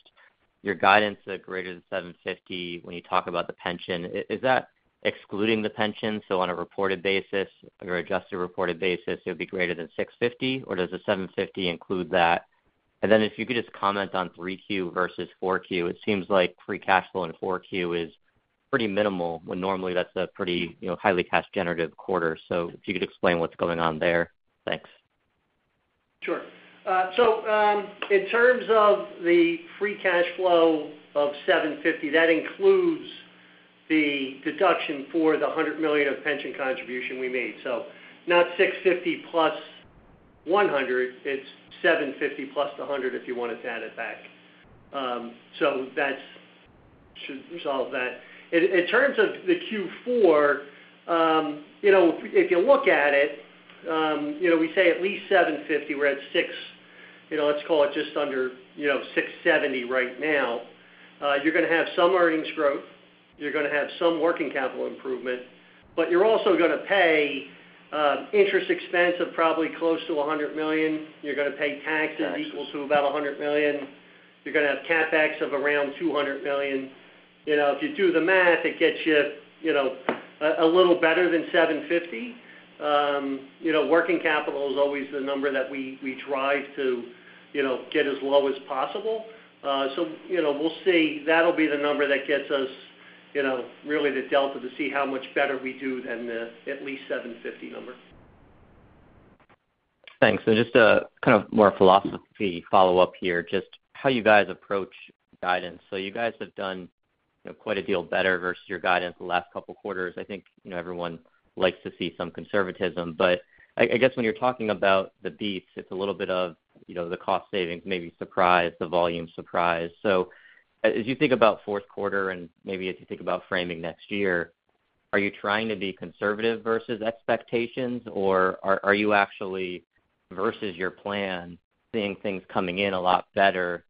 your guidance of greater than $750 million when you talk about the pension, is that excluding the pension? So on a reported basis or adjusted reported basis, it would be greater than $650 million, or does the $750 million include that? And then if you could just comment on 3Q versus 4Q. It seems like free cash flow in 4Q is pretty minimal, when normally that's a pretty, you know, highly cash generative quarter. So if you could explain what's going on there. Thanks. Sure. So, in terms of the free cash flow of $750 million, that includes the deduction for the $100 million of pension contribution we made. So not $650 million plus $100 million, it's $750 million plus the $100 million, if you wanted to add it back. So that should resolve that. In terms of the Q4, you know, if you look at it, you know, we say at least $750 million, we're at six, you know, let's call it just under, you know, $670 million right now. You're gonna have some earnings growth, you're gonna have some working capital improvement, but you're also gonna pay interest expense of probably close to $100 million. You're gonna pay taxes- Taxes... equal to about $100 million. You're gonna have CapEx of around $200 million. You know, if you do the math, it gets you, you know, a little better than 750. You know, working capital is always the number that we try to, you know, get as low as possible. So, you know, we'll see. That'll be the number that gets us, you know, really the delta to see how much better we do than the at least 750 number. Thanks. So just a kind of more philosophy follow-up here, just how you guys approach guidance. So you guys have done, you know, quite a deal better versus your guidance the last couple quarters. I think, you know, everyone likes to see some conservatism. But I guess when you're talking about the beats, it's a little bit of, you know, the cost savings, maybe surprise, the volume surprise. So as you think about fourth quarter, and maybe as you think about framing next year, are you trying to be conservative versus expectations, or are you actually, versus your plan, seeing things coming in a lot better,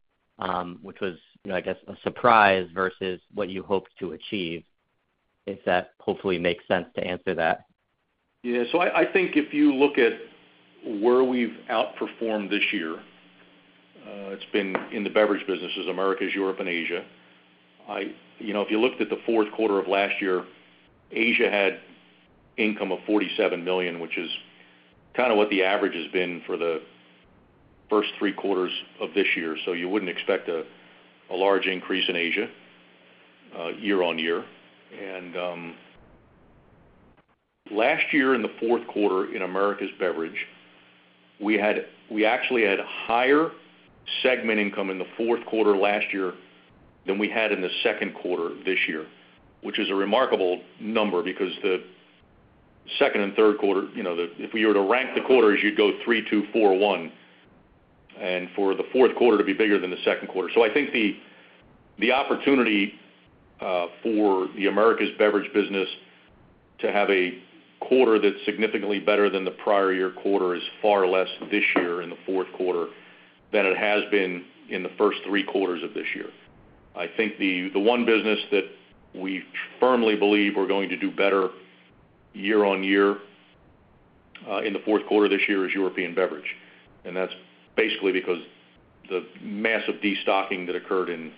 which was, you know, I guess, a surprise versus what you hoped to achieve? If that hopefully makes sense to answer that. Yeah. So I think if you look at where we've outperformed this year, it's been in the beverage businesses, Americas, Europe and Asia. I you know, if you looked at the fourth quarter of last year, Asia had income of $47 million, which is kind of what the average has been for the first three quarters of this year. So you wouldn't expect a large increase in Asia year on year. And last year, in the fourth quarter in Americas Beverage, we had we actually had higher segment income in the fourth quarter last year than we had in the second quarter this year, which is a remarkable number because the second and third quarter, you know, the... If we were to rank the quarters, you'd go three, two, four, one, and for the fourth quarter to be bigger than the second quarter. So I think the opportunity for the Americas Beverage business to have a quarter that's significantly better than the prior year quarter is far less this year in the fourth quarter than it has been in the first three quarters of this year. I think the one business that we firmly believe we're going to do better year on year in the fourth quarter this year is European Beverage. And that's basically because the massive destocking that occurred in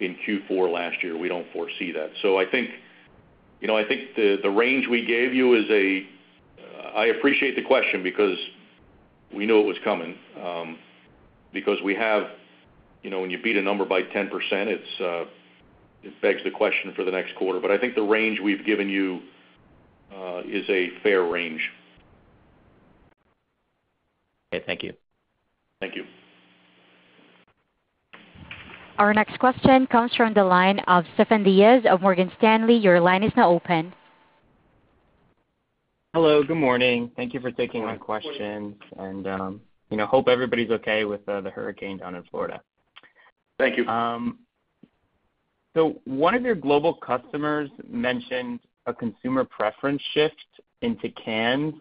Q4 last year, we don't foresee that. So I think, you know, I think the range we gave you is a. I appreciate the question, because we knew it was coming, because we have. You know, when you beat a number by 10%, it's it begs the question for the next quarter. But I think the range we've given you is a fair range. Okay. Thank you. Thank you. Our next question comes from the line of Stefan Diaz of Morgan Stanley. Your line is now open. Hello, good morning. Thank you for taking my questions. Good morning. You know, hope everybody's okay with the hurricane down in Florida. Thank you.... So one of your global customers mentioned a consumer preference shift into cans,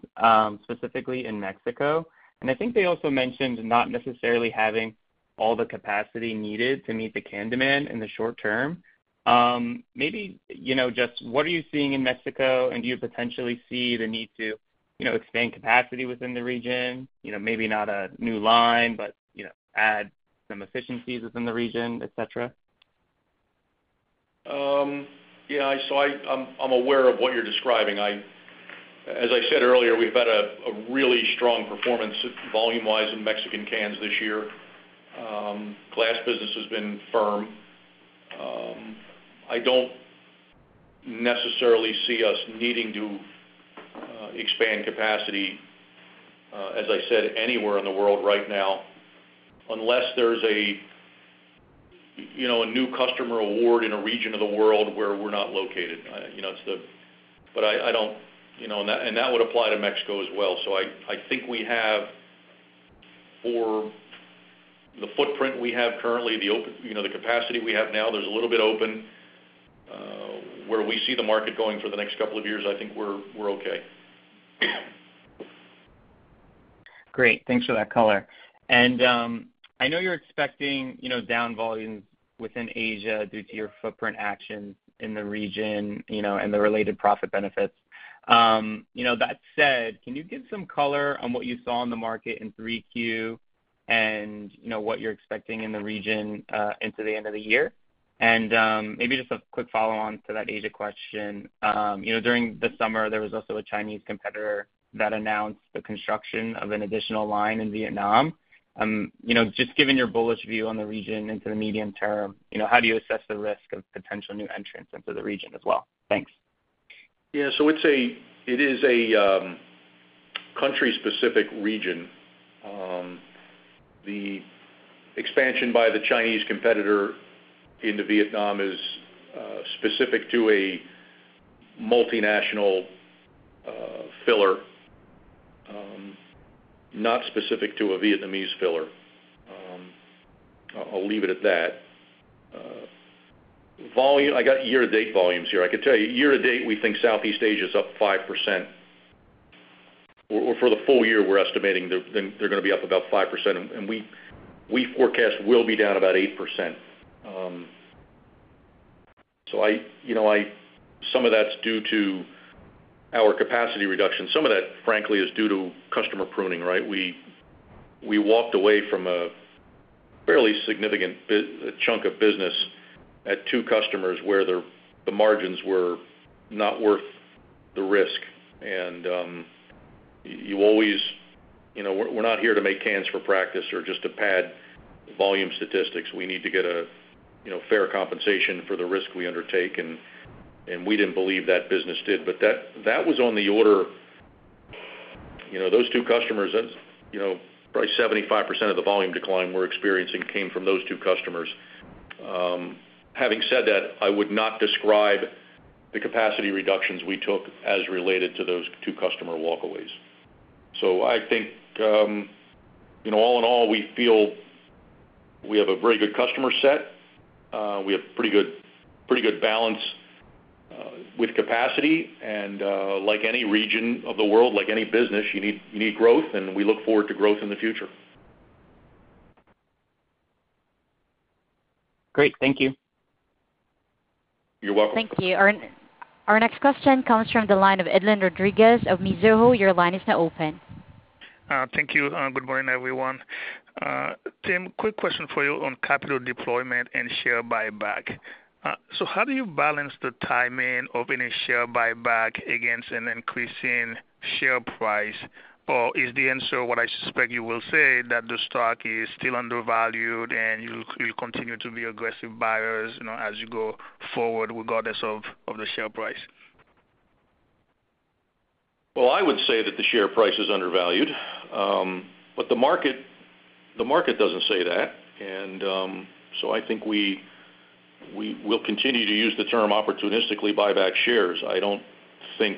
specifically in Mexico. And I think they also mentioned not necessarily having all the capacity needed to meet the can demand in the short term. Maybe, you know, just what are you seeing in Mexico? And do you potentially see the need to, you know, expand capacity within the region? You know, maybe not a new line, but, you know, add some efficiencies within the region, et cetera? Yeah, so I'm aware of what you're describing. As I said earlier, we've had a really strong performance volume-wise in Mexican cans this year. Glass business has been firm. I don't necessarily see us needing to expand capacity, as I said, anywhere in the world right now, unless there's a new customer award in a region of the world where we're not located. You know, it's the, but I don't, you know, and that would apply to Mexico as well. So I think we have for the footprint we have currently, the capacity we have now, there's a little bit open. Where we see the market going for the next couple of years, I think we're okay. Great. Thanks for that color. And, I know you're expecting, you know, down volumes within Asia due to your footprint actions in the region, you know, and the related profit benefits. You know, that said, can you give some color on what you saw in the market in 3Q and, you know, what you're expecting in the region, into the end of the year? And, maybe just a quick follow-on to that Asia question. You know, during the summer, there was also a Chinese competitor that announced the construction of an additional line in Vietnam. You know, just given your bullish view on the region into the medium term, you know, how do you assess the risk of potential new entrants into the region as well? Thanks. Yeah, so it's a, it is a, country-specific region. The expansion by the Chinese competitor into Vietnam is specific to a multinational filler, not specific to a Vietnamese filler. I'll leave it at that. Volume. I got year-to-date volumes here. I could tell you, year to date, we think Southeast Asia is up 5%. Or, for the full year, we're estimating they're gonna be up about 5%, and we forecast we'll be down about 8%. So I, you know, some of that's due to our capacity reduction. Some of that, frankly, is due to customer pruning, right? We walked away from a fairly significant chunk of business at two customers, where the margins were not worth the risk. And you always... You know, we're not here to make cans for practice or just to pad volume statistics. We need to get a, you know, fair compensation for the risk we undertake, and we didn't believe that business did. But that was on the order, you know, those two customers, that's, you know, probably 75% of the volume decline we're experiencing came from those two customers. Having said that, I would not describe the capacity reductions we took as related to those two customer walkaways. So I think, you know, all in all, we feel we have a very good customer set. We have pretty good balance with capacity, and like any region of the world, like any business, you need growth, and we look forward to growth in the future. Great. Thank you. You're welcome. Thank you. Our next question comes from the line of Edlain Rodriguez of Mizuho. Your line is now open. Thank you, and good morning, everyone. Tim, quick question for you on capital deployment and share buyback. So how do you balance the timing of any share buyback against an increasing share price? Or is the answer, what I suspect you will say, that the stock is still undervalued, and you'll continue to be aggressive buyers, you know, as you go forward, regardless of the share price? I would say that the share price is undervalued, but the market, the market doesn't say that. So I think we will continue to use the term opportunistically buy back shares. I don't think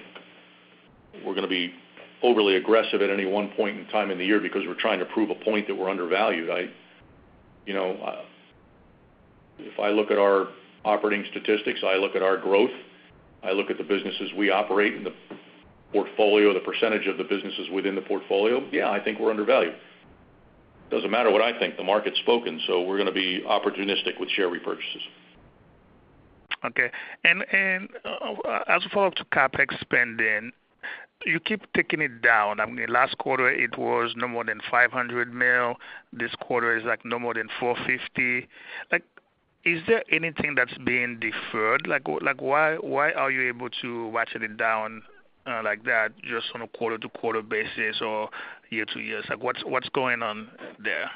we're gonna be overly aggressive at any one point in time in the year because we're trying to prove a point that we're undervalued. You know, if I look at our operating statistics, I look at our growth, I look at the businesses we operate and the portfolio, the percentage of the businesses within the portfolio, yeah, I think we're undervalued. Doesn't matter what I think, the market's spoken, so we're gonna be opportunistic with share repurchases. Okay. And as far as CapEx spending, you keep taking it down. I mean, last quarter, it was no more than $500 million. This quarter is, like, no more than $450 million. Like, is there anything that's being deferred? Like, why are you able to ratchet it down, like that, just on a quarter-to-quarter basis or year to year? Like, what's going on there?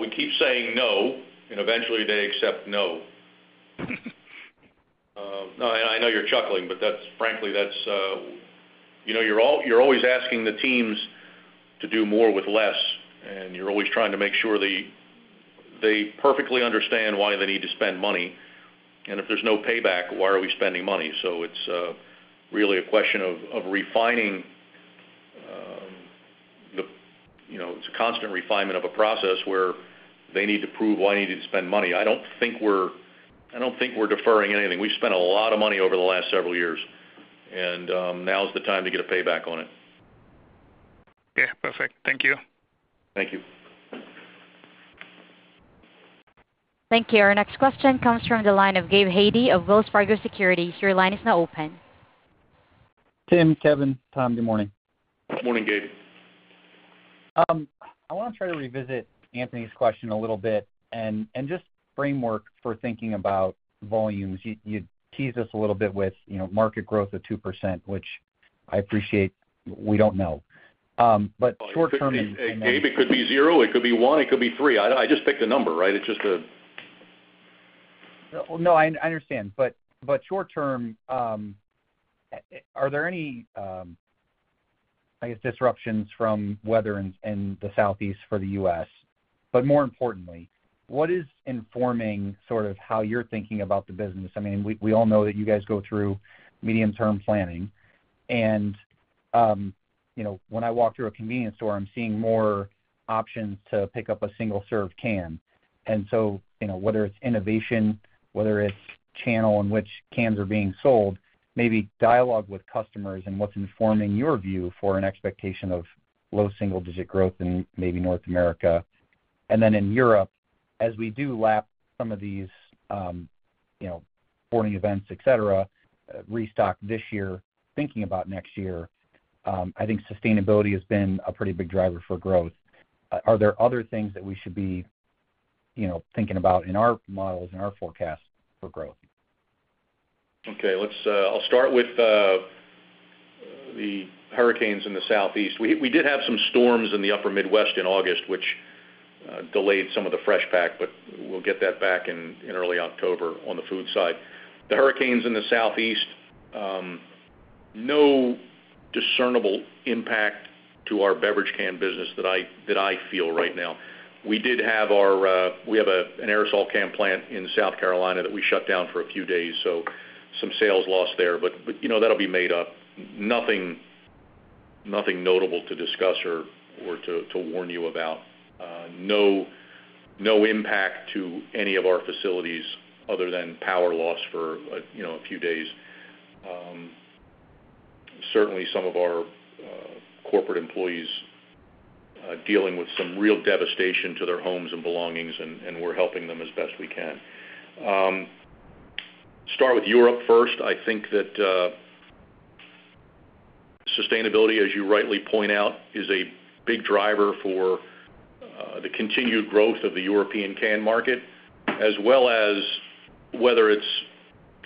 We keep saying no, and eventually they accept no. No, and I know you're chuckling, but that's frankly, that's, you know, you're always asking the teams to do more with less, and you're always trying to make sure they perfectly understand why they need to spend money, and if there's no payback, why are we spending money? So it's really a question of refining. You know, it's a constant refinement of a process where they need to prove why I need to spend money. I don't think we're deferring anything. We've spent a lot of money over the last several years, and now is the time to get a payback on it. Yeah, perfect. Thank you. Thank you. Thank you. Our next question comes from the line of Gabe Hajde of Wells Fargo Securities. Your line is now open. Tim, Kevin, Tom, good morning. Good morning, Gabe. I wanna try to revisit Anthony's question a little bit and just framework for thinking about volumes. You teased us a little bit with, you know, market growth of 2%, which I appreciate, we don't know. But short term- Hey, Gabe, it could be zero, it could be one, it could be three. I just picked a number, right? It's just a- No, I understand but short term, are there any, I guess, disruptions from weather in the Southeast for the US, but more importantly, what is informing sort of how you're thinking about the business? I mean, we all know that you guys go through medium-term planning, and you know, when I walk through a convenience store, I'm seeing more options to pick up a single-serve can, and so you know, whether it's innovation, whether it's channel in which cans are being sold, maybe dialogue with customers and what's informing your view for an expectation of low single-digit growth in maybe North America, and then in Europe, as we do lap some of these you know, sporting events, et cetera, restock this year, thinking about next year, I think sustainability has been a pretty big driver for growth. Are there other things that we should be, you know, thinking about in our models, in our forecasts for growth? Okay, let's, I'll start with the hurricanes in the Southeast. We did have some storms in the upper Midwest in August, which delayed some of the fresh pack, but we'll get that back in early October on the food side. The hurricanes in the Southeast, no discernible impact to our beverage can business that I feel right now. We have an aerosol can plant in South Carolina that we shut down for a few days, so some sales lost there, but, you know, that'll be made up. Nothing notable to discuss or to warn you about. No impact to any of our facilities other than power loss for a, you know, a few days. Certainly, some of our corporate employees are dealing with some real devastation to their homes and belongings, and we're helping them as best we can. Start with Europe first. I think that sustainability, as you rightly point out, is a big driver for the continued growth of the European can market, as well as whether it's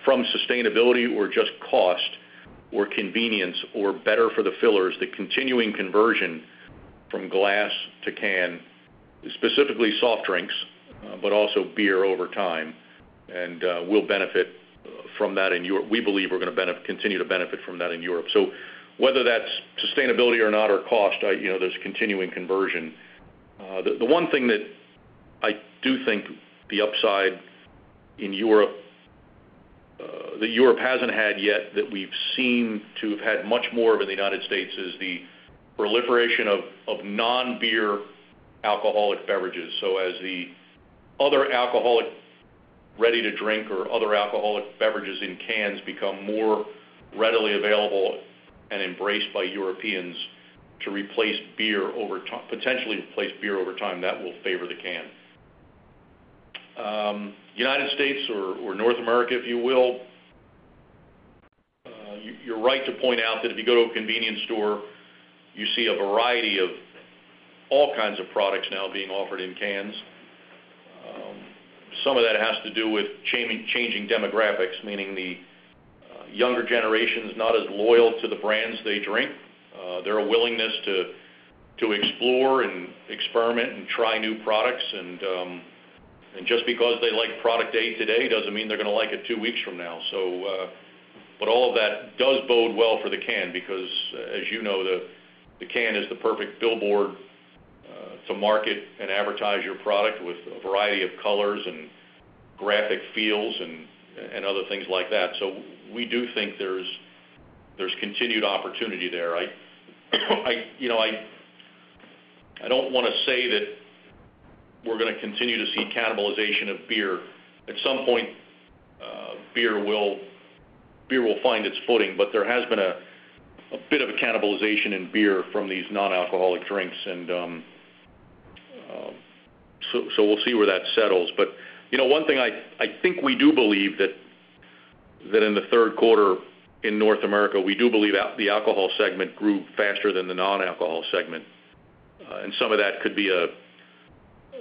from sustainability or just cost or convenience or better for the fillers, the continuing conversion from glass to can, specifically soft drinks, but also beer over time, and we'll benefit from that in Europe. We believe we're gonna continue to benefit from that in Europe. So whether that's sustainability or not, or cost, I, you know, there's continuing conversion. The one thing that I do think the upside in Europe, that Europe hasn't had yet, that we've seen to have had much more of in the United States, is the proliferation of non-beer alcoholic beverages. So as the other alcoholic ready-to-drink or other alcoholic beverages in cans become more readily available and embraced by Europeans to replace beer over time, potentially replace beer over time, that will favor the can. United States or North America, if you will, you're right to point out that if you go to a convenience store, you see a variety of all kinds of products now being offered in cans. Some of that has to do with changing demographics, meaning the younger generation is not as loyal to the brands they drink, their willingness to explore and experiment and try new products, and just because they like product A today, doesn't mean they're gonna like it two weeks from now. But all of that does bode well for the can because, as you know, the can is the perfect billboard to market and advertise your product with a variety of colors and graphic feels and other things like that. We do think there's continued opportunity there, right? You know, I don't wanna say that we're gonna continue to see cannibalization of beer. At some point, beer will find its footing, but there has been a bit of a cannibalization in beer from these non-alcoholic drinks, and so we'll see where that settles, but you know, one thing I think we do believe that in the third quarter in North America, we do believe the alcohol segment grew faster than the non-alcohol segment, and some of that could be a,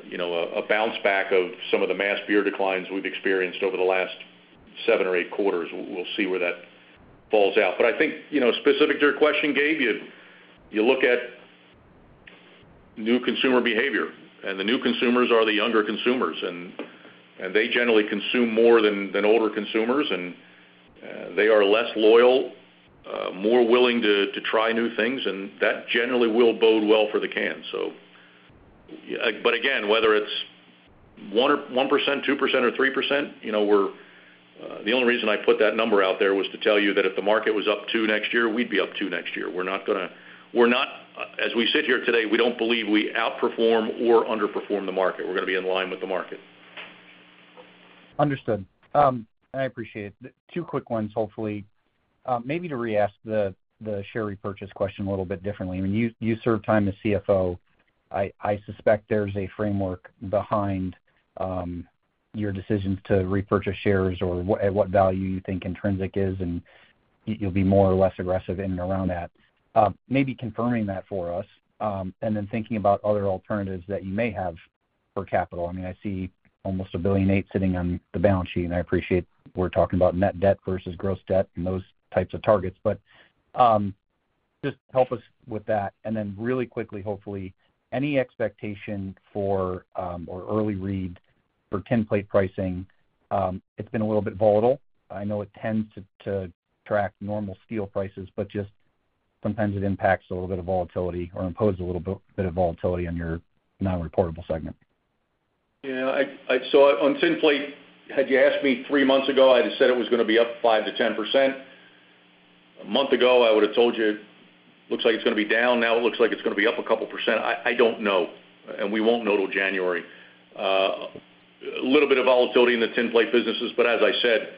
you know, a bounce back of some of the mass beer declines we've experienced over the last seven or eight quarters. We'll see where that falls out. But I think, you know, specific to your question, Gabe, you look at new consumer behavior, and the new consumers are the younger consumers, and they generally consume more than older consumers, and they are less loyal, more willing to try new things, and that generally will bode well for the can. So, but again, whether it's 1% or 2% or 3%, you know, the only reason I put that number out there was to tell you that if the market was up two next year, we'd be up two next year. We're not gonna. We're not, as we sit here today, we don't believe we outperform or underperform the market. We're gonna be in line with the market. Understood. I appreciate it. Two quick ones, hopefully. Maybe to re-ask the share repurchase question a little bit differently. I mean, you served time as CFO. I suspect there's a framework behind your decisions to repurchase shares or at what value you think intrinsic is, and you'll be more or less aggressive in and around that. Maybe confirming that for us, and then thinking about other alternatives that you may have for capital. I mean, I see almost $1.8 billion sitting on the balance sheet, and I appreciate we're talking about net debt versus gross debt and those types of targets. But just help us with that. And then really quickly, hopefully, any expectation for or early read for tinplate pricing. It's been a little bit volatile. I know it tends to track normal steel prices, but just sometimes it impacts a little bit of volatility or imposes a little bit of volatility on your non-reportable segment. Yeah, I saw it on tinplate. Had you asked me three months ago, I'd have said it was gonna be up 5%-10%. A month ago, I would have told you, looks like it's gonna be down. Now, it looks like it's gonna be up a couple percent. I don't know, and we won't know till January. A little bit of volatility in the tinplate businesses, but as I said,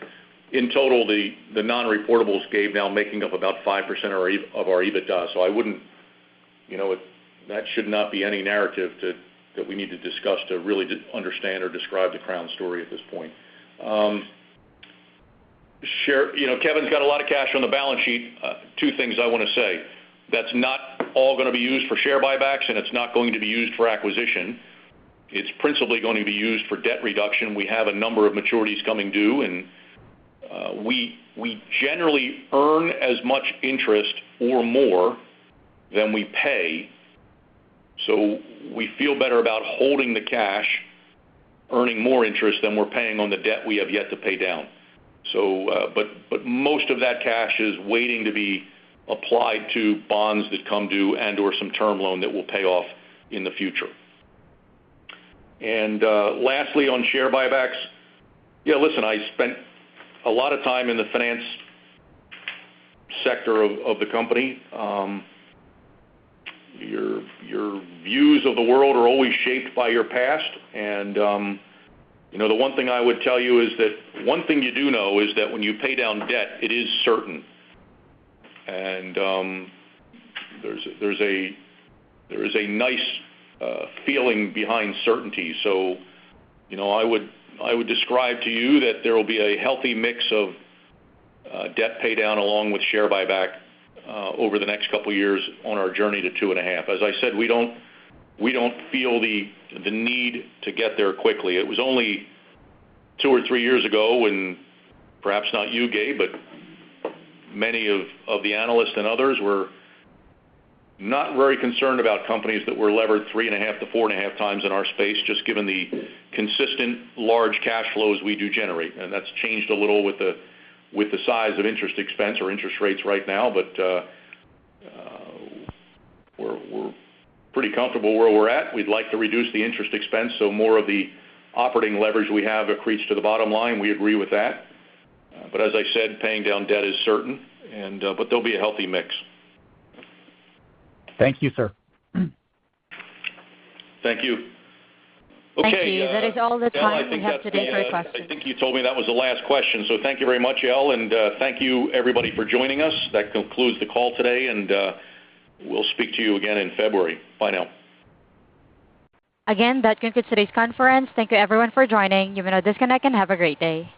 in total, the non-reportables are now making up about 5% of our EBITDA, so I wouldn't, you know, that should not be any narrative that we need to discuss to really understand or describe the Crown story at this point. Share-- you know, Kevin's got a lot of cash on the balance sheet. Two things I want to say. That's not all gonna be used for share buybacks, and it's not going to be used for acquisition. It's principally going to be used for debt reduction. We have a number of maturities coming due, and we generally earn as much interest or more than we pay, so we feel better about holding the cash, earning more interest than we're paying on the debt we have yet to pay down. So, but most of that cash is waiting to be applied to bonds that come due and or some term loan that will pay off in the future. Lastly, on share buybacks, yeah, listen, I spent a lot of time in the finance sector of the company. Your views of the world are always shaped by your past, and you know, the one thing I would tell you is that one thing you do know is that when you pay down debt, it is certain. And there's a nice feeling behind certainty. So you know, I would describe to you that there will be a healthy mix of debt paydown along with share buyback over the next couple of years on our journey to two and a half. As I said, we don't feel the need to get there quickly. It was only two or three years ago, when perhaps not you, Gabe, but many of the analysts and others were not very concerned about companies that were levered three and a half to four and a half times in our space, just given the consistent large cash flows we do generate. And that's changed a little with the size of interest expense or interest rates right now, but we're pretty comfortable where we're at. We'd like to reduce the interest expense, so more of the operating leverage we have accretes to the bottom line. We agree with that. But as I said, paying down debt is certain, and but there'll be a healthy mix. Thank you, sir. Thank you. Thank you. That is all the time we have today for questions. I think you told me that was the last question, so thank you very much, Al, and thank you, everybody, for joining us. That concludes the call today, and we'll speak to you again in February. Bye now. Again, that concludes today's conference. Thank you, everyone, for joining. You may now disconnect and have a great day.